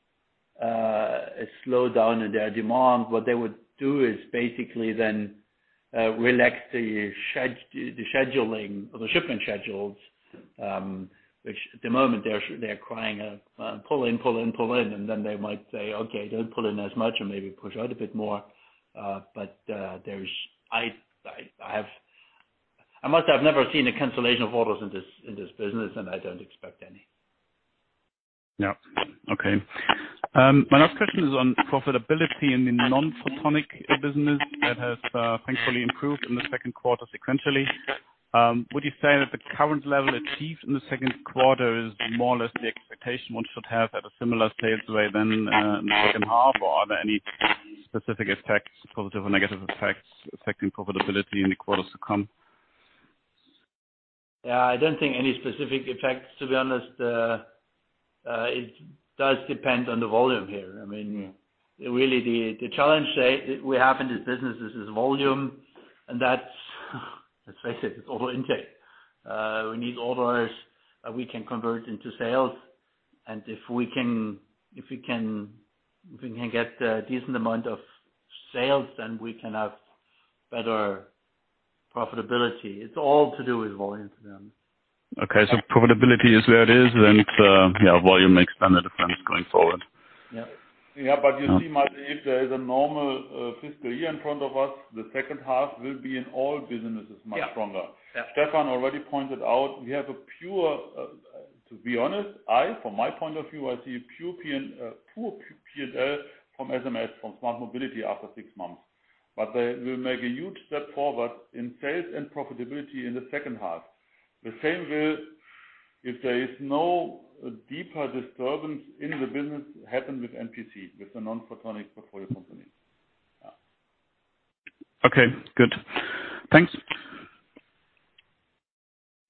a slowdown in their demand, what they would do is basically then relax the scheduling or the shipment schedules, which at the moment they're crying pull in, and then they might say, "Okay, don't pull in as much or maybe push out a bit more." But I must have never seen a cancellation of orders in this business, and I don't expect any. Yeah. Okay. My last question is on profitability in the non-photonic business that has thankfully improved in the second quarter sequentially. Would you say that the current level achieved in the second quarter is more or less the expectation one should have at a similar pace going then in the second half, or are there any specific effects, positive or negative effects, affecting profitability in the quarters to come? Yeah. I don't think any specific effects, to be honest. It does depend on the volume here. I mean, really, the challenge that we have in this business is volume, and that's, let's face it's order intake. We need orders that we can convert into sales. If we can get a decent amount of sales, then we can have better profitability. It's all to do with volume to them. Okay. Profitability is where it is, and, yeah, volume makes then the difference going forward. Yeah. Yeah. You see, Malte, there is a normal, fiscal year in front of us. The second half will be in all businesses much stronger. Yeah. Stefan already pointed out, to be honest, from my point of view, I see poor P&L from SMS, from Smart Mobility after six months. They will make a huge step forward in sales and profitability in the second half. The same will, if there is no deeper disturbance in the business, happen with NPC, with the non-photonic portfolio company. Okay, good. Thanks.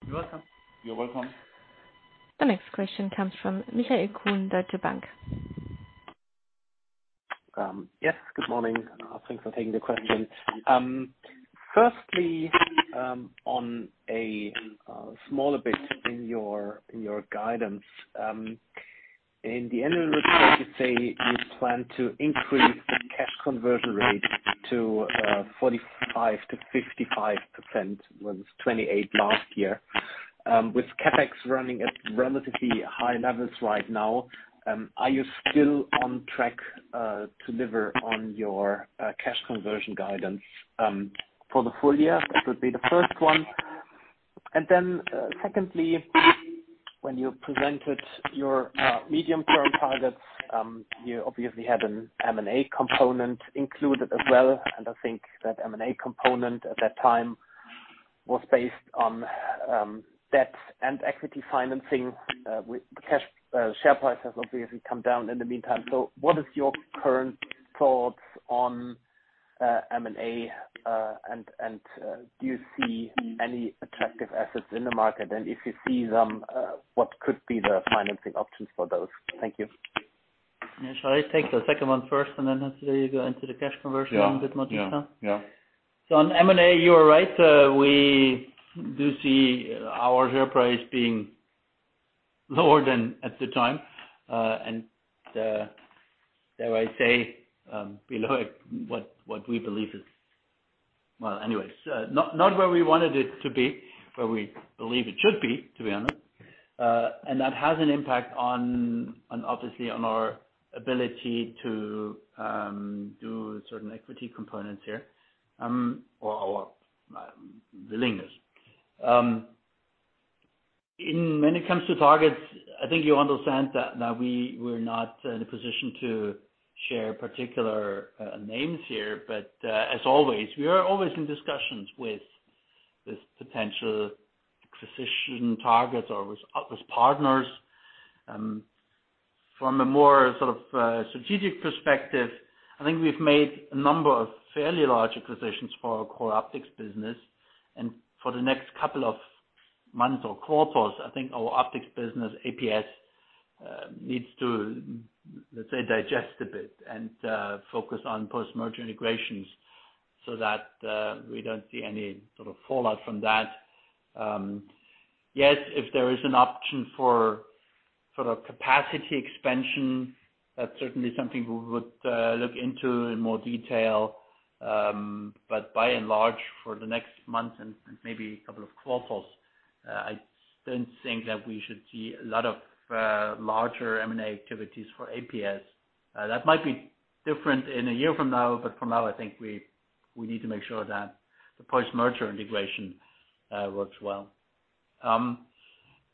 You're welcome. You're welcome. The next question comes from Michael Kuhn, Deutsche Bank. Yes, good morning. Thanks for taking the questions. Firstly, on a smaller bit in your guidance, in the annual report, you say you plan to increase the cash conversion rate to 45%-55%. It was 28% last year. With CapEx running at relatively high levels right now, are you still on track to deliver on your cash conversion guidance for the full year? That would be the first one. Secondly, when you presented your medium-term targets, you obviously had an M&A component included as well. I think that M&A component at that time was based on debt and equity financing, but the share price has obviously come down in the meantime. What is your current thoughts on M&A, and do you see any attractive assets in the market? If you see them, what could be the financing options for those? Thank you. Yeah. Shall I take the second one first and then hopefully go into the cash conversion a bit more this time? Yeah. Yeah. On M&A, you are right. We do see our share price being lower than at the time. Dare I say, below what we believe is. Well, anyways, not where we wanted it to be, where we believe it should be, to be honest. That has an impact on, obviously, our ability to do certain equity components here, or our willingness. And when it comes to targets, I think you understand that we were not in a position to share particular names here. As always, we are always in discussions with potential acquisition targets or with partners. From a more sort of strategic perspective, I think we've made a number of fairly large acquisitions for our core optics business. For the next couple of months or quarters, I think our optics business, APS, needs to, let's say, digest a bit and focus on post-merger integrations so that we don't see any sort of fallout from that. Yes, if there is an option for sort of capacity expansion. That's certainly something we would look into in more detail. But by and large, for the next month and maybe a couple of quarters, I don't think that we should see a lot of larger M&A activities for APS. That might be different in a year from now, but for now, I think we need to make sure that the post-merger integration works well.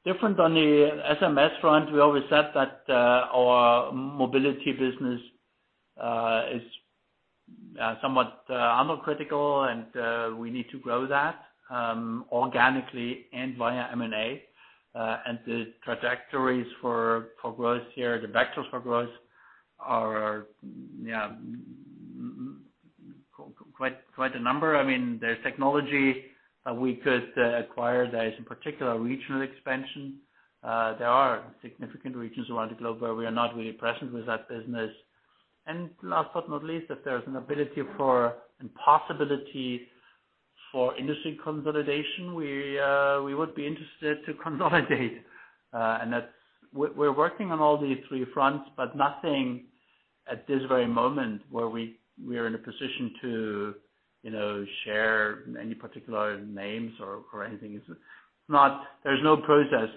Different on the SMS front, we always said that our mobility business is somewhat below critical mass, and we need to grow that organically and via M&A. The trajectories for growth here, the vectors for growth are quite a number. I mean, there's technology that we could acquire. There is in particular regional expansion. There are significant regions around the globe where we are not really present with that business. Last but not least, if there's an ability for and possibility for industry consolidation, we would be interested to consolidate. We're working on all these three fronts, but nothing at this very moment where we are in a position to, you know, share any particular names or anything. There's no process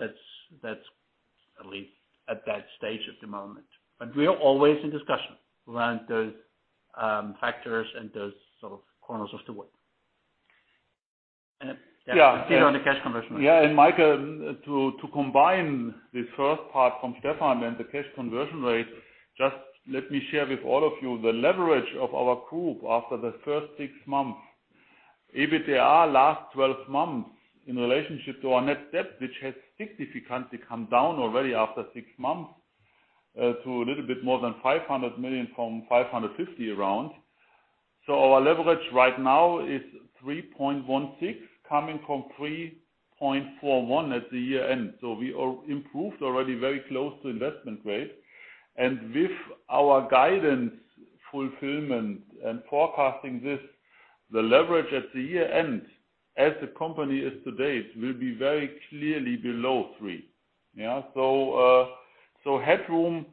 that's at least at that stage at the moment. We are always in discussion around those factors and those sort of corners of the world. And yeah- Still on the cash conversion rate. Yeah. Michael, to combine the first part from Stefan and the cash conversion rate, just let me share with all of you the leverage of our group after the first six months. EBITDA last 12 months in relationship to our net debt, which has significantly come down already after six months, to a little bit more than 500 million from 550 around. Our leverage right now is 3.16%, coming from 3.41% at the year-end. We are improved already very close to investment grade. With our guidance fulfillment and forecasting this, the leverage at the year-end, as the company is to date, will be very clearly below 3%. Yeah. Headroom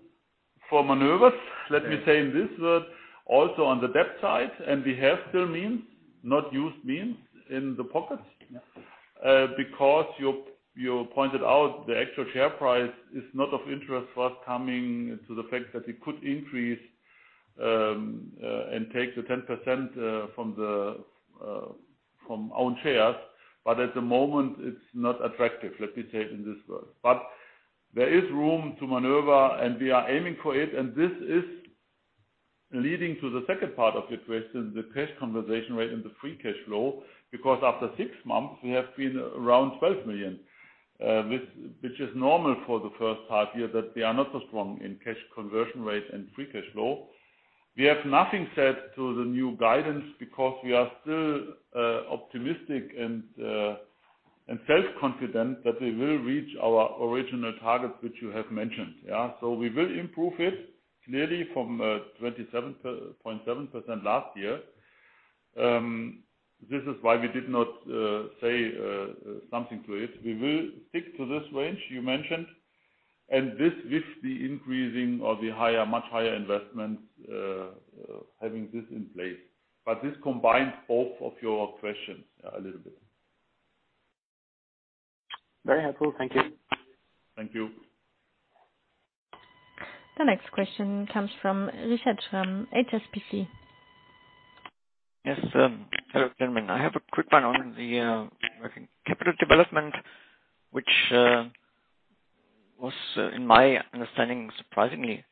for maneuvers, let me say it this way, also on the debt side, and we have still unused means in the pocket. Yeah. Because you pointed out the actual share price is not of interest for us coming to the fact that it could increase and take the 10% from own shares. At the moment, it's not attractive, let me say it in this way. There is room to maneuver, and we are aiming for it. This is leading to the second part of your question, the cash conversion rate and the free cash flow. Because after six months, we have been around 12 million, which is normal for the first half year, but we are not so strong in cash conversion rate and free cash flow. We have said nothing to the new guidance because we are still optimistic and self-confident that we will reach our original targets, which you have mentioned. We will improve it clearly from 27% last year. This is why we did not say something to it. We will stick to this range you mentioned. This with the increasing or the higher, much higher investment, having this in place. This combines both of your questions a little bit. Very helpful. Thank you. Thank you. The next question comes from Richard Schramm from HSBC. Yes, hello, gentlemen. I have a quick one on the working capital development, which was, in my understanding, surprisingly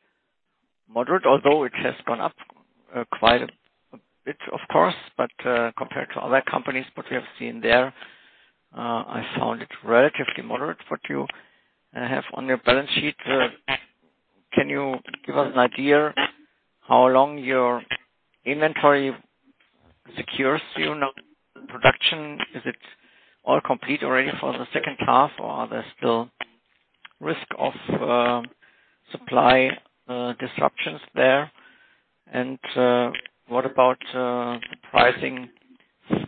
moderate, although it has gone up quite a bit, of course. Compared to other companies, what we have seen there, I found it relatively moderate what you have on your balance sheet. Can you give us an idea how long your inventory secures you? Not production. Is it all complete already for the second half, or are there still risk of supply disruptions there? What about pricing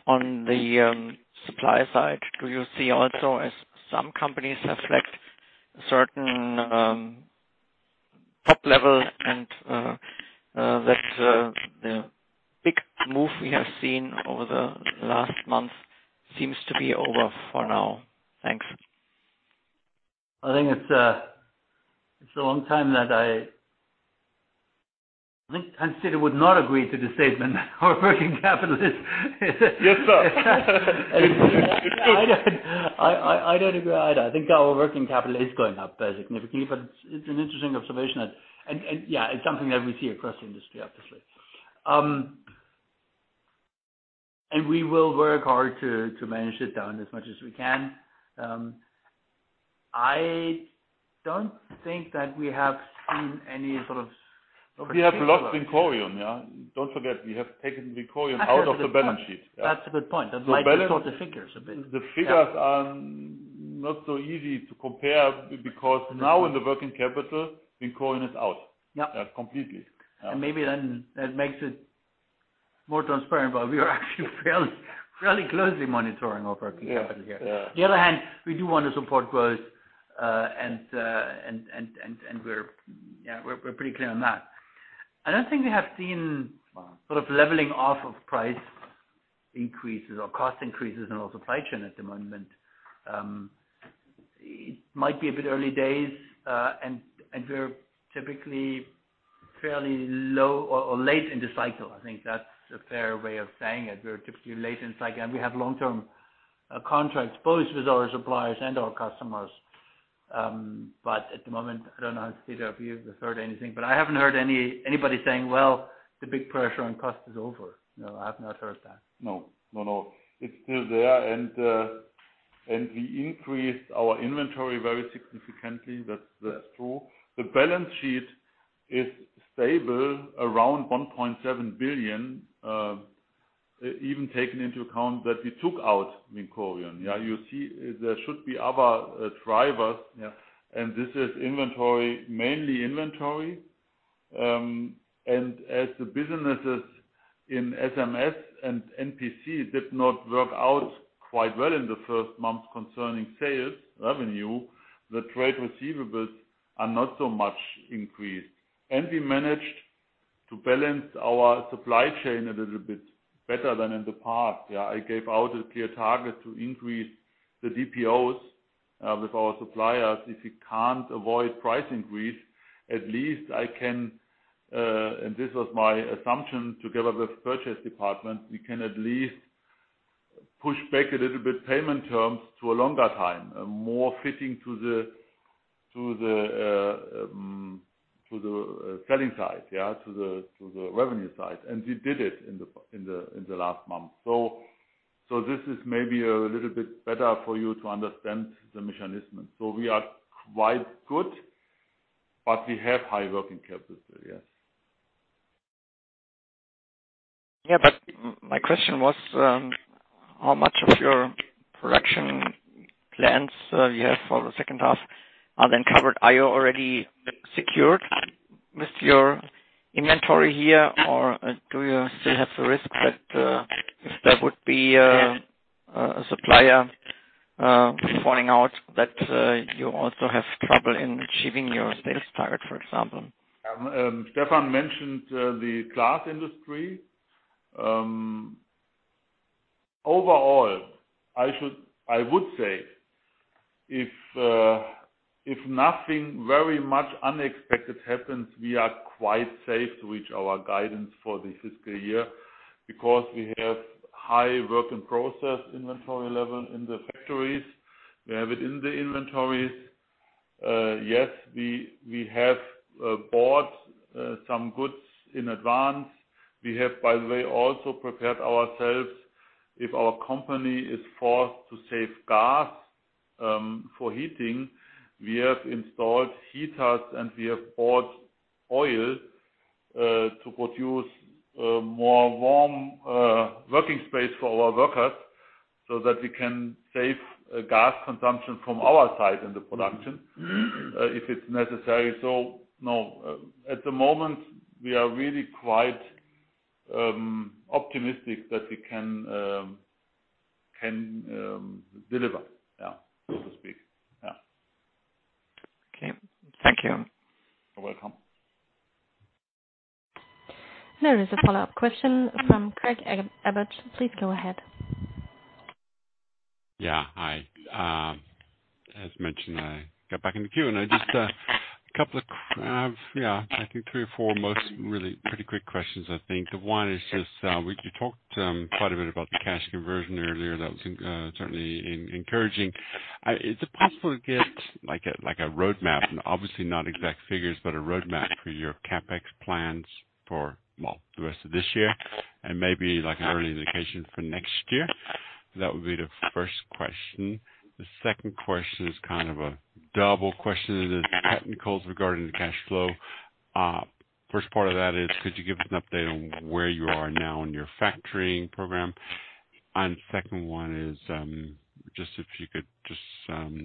on the supply side? Do you see also, as some companies reflect a certain top level and that the big move we have seen over the last month seems to be over for now. Thanks. I think Hans-Dieter Schumacher would not agree to the statement our working capital is. Yes, sir. I don't agree either. I think our working capital is going up significantly, but it's an interesting observation. Yeah, it's something that we see across the industry, obviously. We will work hard to manage it down as much as we can. I don't think that we have seen any sort of. We have lost VINCORION, yeah. Don't forget, we have taken VINCORION out of the balance sheet. That's a good point. That's why we saw the figures a bit. The figures are not so easy to compare because now in the working capital, VINCORION is out. Yeah. Completely. Maybe then that makes it more transparent, but we are actually fairly closely monitoring over here. Yeah. Yeah. the other hand, we do want to support growth, and we're pretty clear on that. I don't think we have seen sort of leveling off of price increases or cost increases in our supply chain at the moment. It might be a bit early days, and we're typically fairly low or late in the cycle. I think that's a fair way of saying it. We're typically late in cycle, and we have long-term contracts, both with our suppliers and our customers. At the moment, I don't know, either of you have heard anything, but I haven't heard anybody saying, "Well, the big pressure on cost is over." No, I have not heard that. No, no. It's still there and we increased our inventory very significantly. That's true. The balance sheet is stable around 1.7 billion, even taking into account that we took out VINCORION. Yeah, you see there should be other drivers. Yeah. This is inventory, mainly inventory. As the businesses in SMS and NPC did not work out quite well in the first month concerning sales revenue, the trade receivables are not so much increased. We managed to balance our supply chain a little bit better than in the past. I gave out a clear target to increase the DPOs with our suppliers. If we can't avoid price increase, at least I can, and this was my assumption together with purchase department, we can at least push back a little bit payment terms to a longer time, more fitting to the selling side, to the revenue side. We did it in the last month. This is maybe a little bit better for you to understand the mechanism. We are quite good, but we have high working capital, yes. My question was, how much of your production plans you have for the second half are then covered? Are you already secured with your inventory here, or do you still have the risk that if there would be a supplier falling out that you also have trouble in achieving your sales target, for example? Stefan mentioned the glass industry. Overall, I would say if nothing very much unexpected happens, we are quite safe to reach our guidance for the fiscal year because we have high work in process inventory level in the factories. We have it in the inventories. Yes, we have bought some goods in advance. We have, by the way, also prepared ourselves if our company is forced to save gas for heating. We have installed heaters, and we have bought oil to produce more warm working space for our workers so that we can save gas consumption from our side in the production if it's necessary. No, at the moment, we are really quite optimistic that we can deliver. So to speak. Okay. Thank you. You're welcome. There is a follow-up question from Craig Abbott. Please go ahead. Yeah. Hi. As mentioned, I got back in the queue and I just a couple of three or four mostly really pretty quick questions, I think. One is just you talked quite a bit about the cash conversion earlier. That was certainly encouraging. Is it possible to get like a roadmap and obviously not exact figures, but a roadmap for your CapEx plans for, well, the rest of this year and maybe like an early indication for next year? That would be the first question. The second question is kind of a double question. It is technical regarding the cash flow. First part of that is, could you give us an update on where you are now in your factoring program? Second one is, just if you could just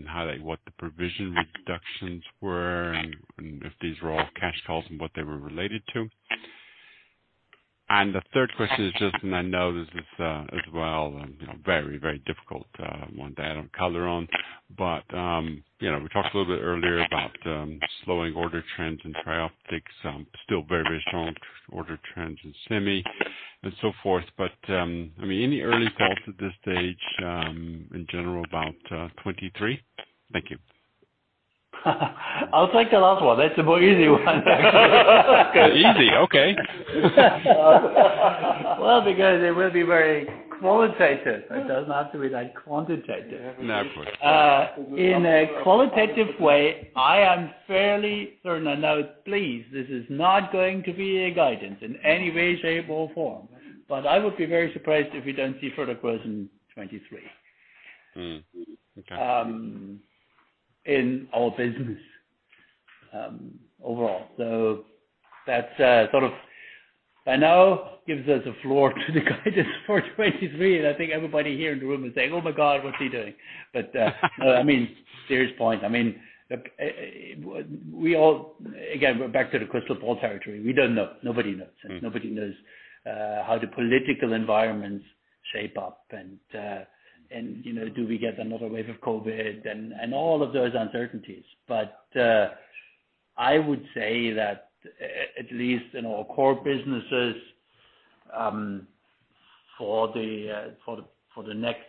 highlight what the provision reductions were and if these were all cash calls and what they were related to. The third question is just, and I know this is, as well, you know, very, very difficult one to add on color on. You know, we talked a little bit earlier about slowing order trends in TRIOPTICS, still very resilient order trends in Semi and so forth. I mean, any early thoughts at this stage, in general about 2023? Thank you. I'll take the last one. That's the more easy one. Easy. Okay. Well, because it will be very qualitative. It doesn't have to be that quantitative. No. In a qualitative way, I am fairly certain. Now please, this is not going to be a guidance in any way, shape, or form, but I would be very surprised if we don't see further growth in 2023. Mm-hmm. Okay. In our business, overall. That sort of by now gives us a floor to the guidance for 2023, and I think everybody here in the room is saying, "Oh my God, what's he doing?" No, I mean, serious point. I mean, we all. Again, we're back to the crystal ball territory. We don't know. Nobody knows Nobody knows how the political environments shape up and, you know, do we get another wave of COVID and all of those uncertainties. I would say that at least in our core businesses, for the next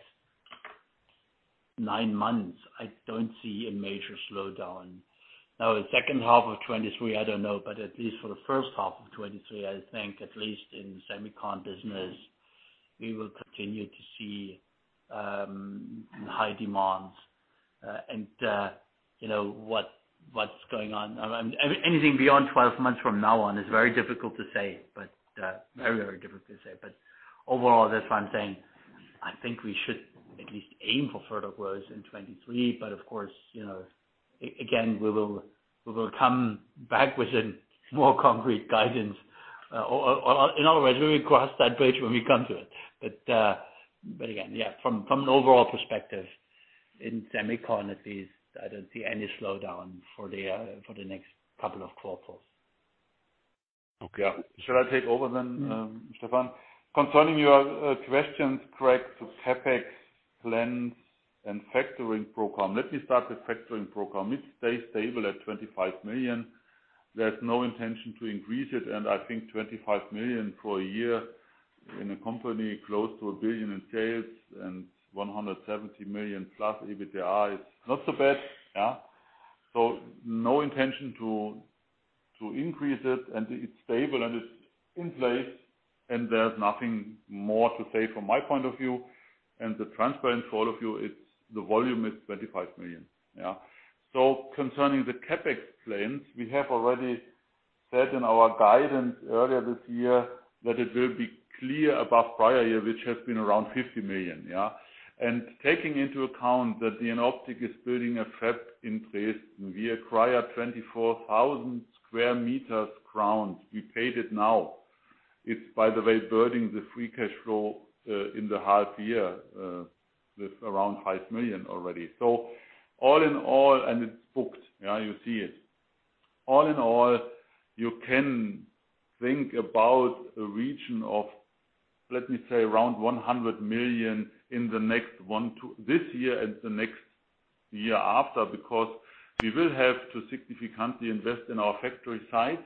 nine months, I don't see a major slowdown. Now, the second half of 2023, I don't know. At least for the first half of 2023, I think at least in semicon business, we will continue to see high demands. You know what's going on. Anything beyond 12 months from now on is very difficult to say. Very difficult to say. Overall, that's why I'm saying I think we should at least aim for further growth in 2023. Of course, you know, again, we will come back with a more concrete guidance. Or in other words, we will cross that bridge when we come to it. Again, yeah, from an overall perspective in semicon, at least I don't see any slowdown for the next couple of quarters. Okay. Should I take over then, Stefan? Concerning your questions, correct, CapEx plans and factoring program. Let me start with factoring program. It stays stable at 25 million. There's no intention to increase it. I think 25 million for a year in a company close to 1 billion in sales and 170 million plus EBITDA is not so bad, yeah. No intention to increase it. It's stable, and it's in place, and there's nothing more to say from my point of view. The transparency for all of you, it's the volume is 25 million. Yeah. Concerning the CapEx plans, we have already said in our guidance earlier this year that it will be clear above prior year, which has been around 50 million, yeah. Taking into account that Jenoptik is building a fab in Dresden. We acquired 24,000 square meters ground. We paid it now. It's, by the way, burden the free cash flow in the half year with around 5 million already. All in all, it's booked, yeah. You see it. All in all, you can think about a region of, let me say, around 100 million in the next one, two. This year and the next year after. Because we will have to significantly invest in our factory sites.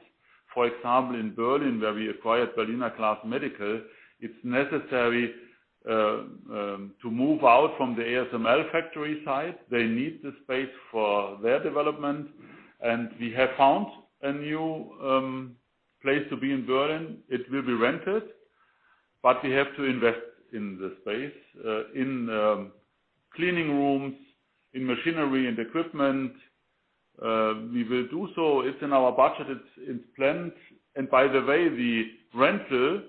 For example, in Berlin, where we acquired Berliner Glas Medical, it's necessary to move out from the ASML factory site. They need the space for their development. We have found a new place to be in Berlin. It will be rented, but we have to invest in the space in clean rooms, in machinery and equipment. We will do so. It's in our budget, it's in plans. By the way, the rental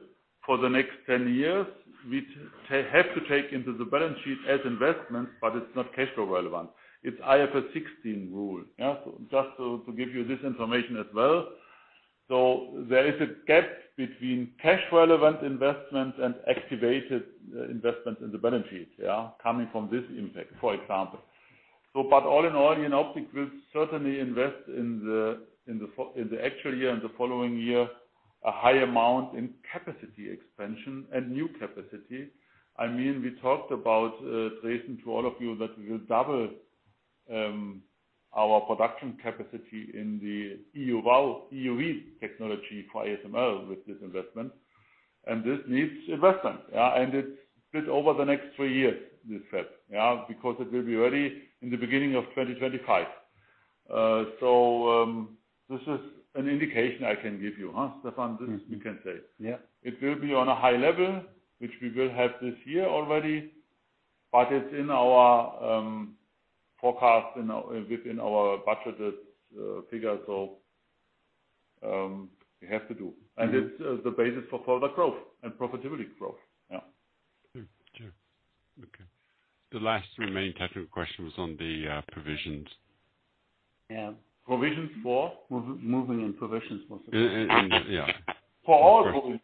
for the next 10 years, we have to take into the balance sheet as investment, but it's not cash flow relevant. It's IFRS 16 rule. Yeah. Just to give you this information as well. There is a gap between cash relevant investments and activated investments in the balance sheet, yeah, coming from this impact, for example. All in all, Jenoptik will certainly invest in the actual year and the following year a high amount in capacity expansion and new capacity. I mean, we talked about recently to all of you, that we will double our production capacity in the EUV technology for ASML with this investment. This needs investment. Yeah. It's split over the next three years, this fab. Yeah, because it will be ready in the beginning of 2025. This is an indication I can give you, Stefan? This you can say. Yeah. It will be on a high level, which we will have this year already, but it's in our forecast and within our budgeted figures. We have to do. It's the basis for further growth and profitability growth. Yeah. Sure. Okay. The last remaining category of question was on the provisions. Yeah. Provisions for? Moving and provisions for. Yeah. For all of them.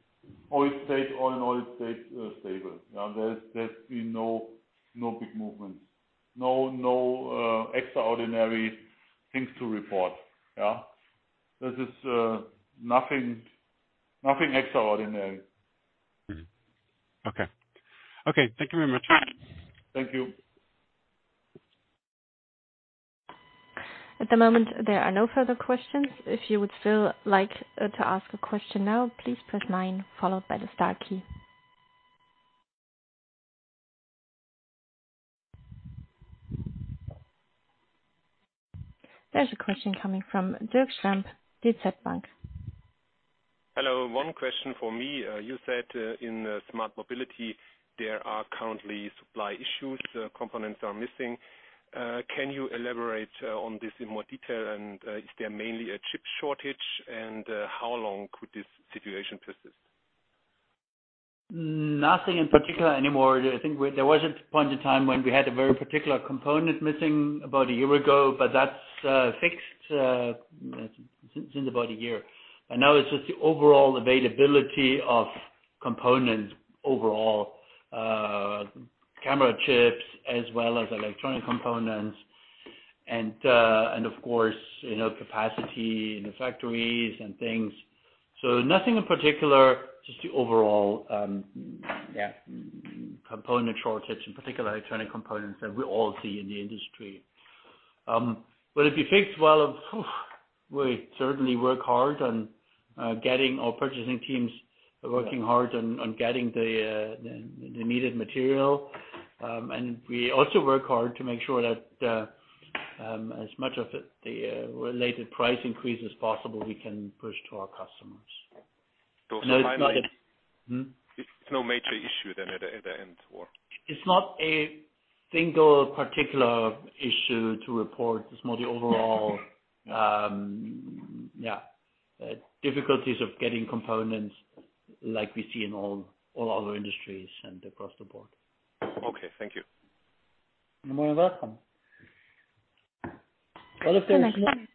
All states stable. Yeah. There's been no big movements. No extraordinary things to report. Yeah. This is nothing extraordinary. Okay, thank you very much. Thank you. At the moment, there are no further questions. If you would still like to ask a question now, please press nine followed by the star key. There's a question coming from Dirk Schlamp, DZ Bank. Hello. One question for me. You said in Smart Mobility, there are currently supply issues. Components are missing. Can you elaborate on this in more detail? Is there mainly a chip shortage? How long could this situation persist? Nothing in particular anymore. I think there was a point in time when we had a very particular component missing about a year ago, but that's fixed since about a year. Now it's just the overall availability of components overall, Camera chips as well as electronic components and of course, you know, capacity in the factories and things. Nothing in particular, just the overall component shortage, in particular electronic components that we all see in the industry. Will it be fixed? Well we certainly work hard on getting our purchasing teams working hard on getting the needed material. And we also work hard to make sure that as much of the related price increase as possible, we can push to our customers. Finally. No, it's not. It's no major issue then at the end or? It's not a single particular issue to report. It's more the overall difficulties of getting components like we see in all other industries and across the board. Okay. Thank you. You're more than welcome. Well, if there's no. There's one-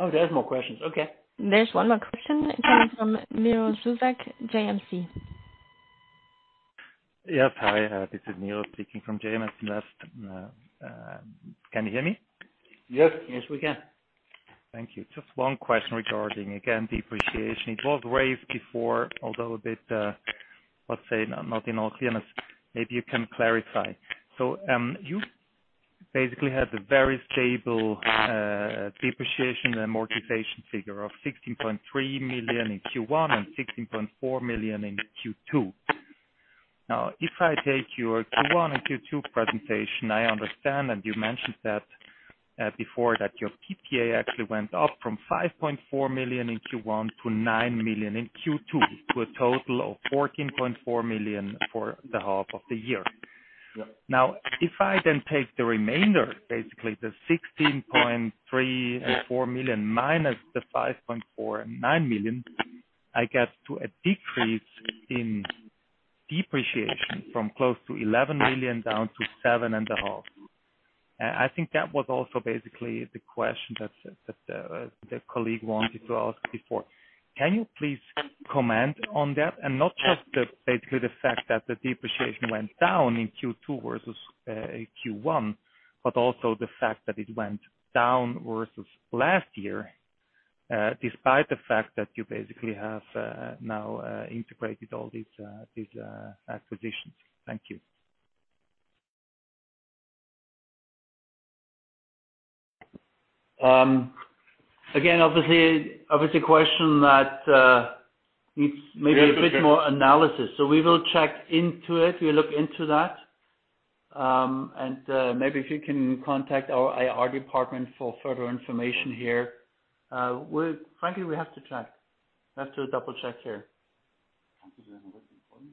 Oh, there's more questions. Okay. There's one more question. Uh. Coming from Miro Zuzak, JMS. Yes. Hi, this is Miro speaking from JMS Investment. Can you hear me? Yes. Yes, we can. Thank you. Just one question regarding, again, depreciation. It was raised before, although a bit, let's say, not in all clearness. Maybe you can clarify. You basically had a very stable depreciation and amortization figure of 16.3 million in Q1 and 16.4 million in Q2. Now, if I take your Q1 and Q2 presentation, I understand, and you mentioned that, before, that your PPA actually went up from 5.4 million in Q1 to 9 million in Q2, to a total of 14.4 million for the half of the year. Yep. Now, if I then take the remainder, basically the 16.34 million minus the 5.49 million, I get to a decrease in depreciation from close to 11 million down to 7.5 million. I think that was also basically the question that the colleague wanted to ask before. Can you please comment on that? Not just basically the fact that the depreciation went down in Q2 versus Q1, but also the fact that it went down versus last year, despite the fact that you basically have now integrated all these acquisitions. Thank you. Again, obviously a question that needs maybe a bit more analysis. We will check into it. We'll look into that. Maybe if you can contact our IR department for further information here. Frankly, we have to check. We have to double-check here. I think that's important.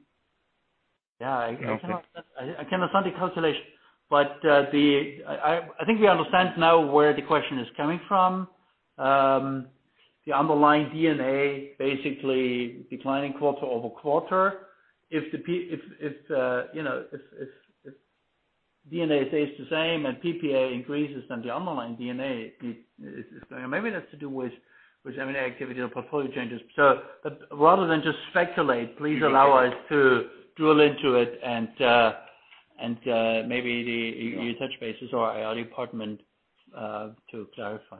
Yeah. I cannot. Okay. I cannot find the calculation, but I think we understand now where the question is coming from. The underlying D&A basically declining quarter-over-quarter. If you know, if D&A stays the same and PPA increases, then the underlying D&A is going. Maybe that's to do with M&A activity or portfolio changes. Rather than just speculate, please allow us to drill into it. You touch base with our IR department to clarify.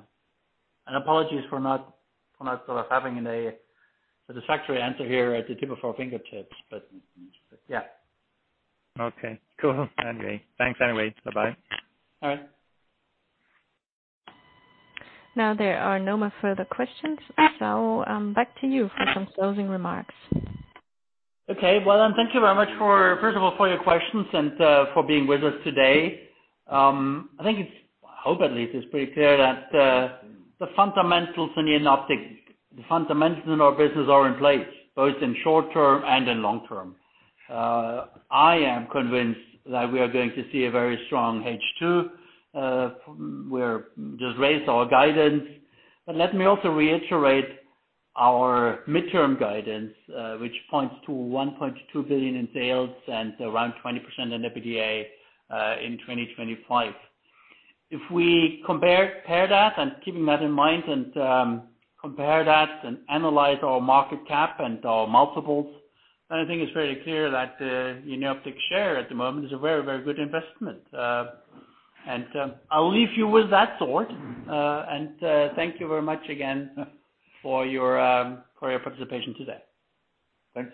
Apologies for not sort of having a satisfactory answer here at the tip of our fingertips. Yeah. Okay. Cool. Anyway. Thanks anyway. Bye-bye. Bye. Now there are no more further questions. Back to you for some closing remarks. Okay. Well, thank you very much for, first of all, for your questions and for being with us today. I think it's, I hope at least it's pretty clear that the fundamentals in Jenoptik, the fundamentals in our business are in place, both in short term and in long term. I am convinced that we are going to see a very strong H2. Just raised our guidance. Let me also reiterate our midterm guidance, which points to 1.2 billion in sales and around 20% in the EBITDA in 2025. If we compare that and keeping that in mind, and compare that and analyze our market cap and our multiples, then I think it's fairly clear that Jenoptik share at the moment is a very, very good investment. I'll leave you with that thought. Thank you very much again for your participation today. Thank you.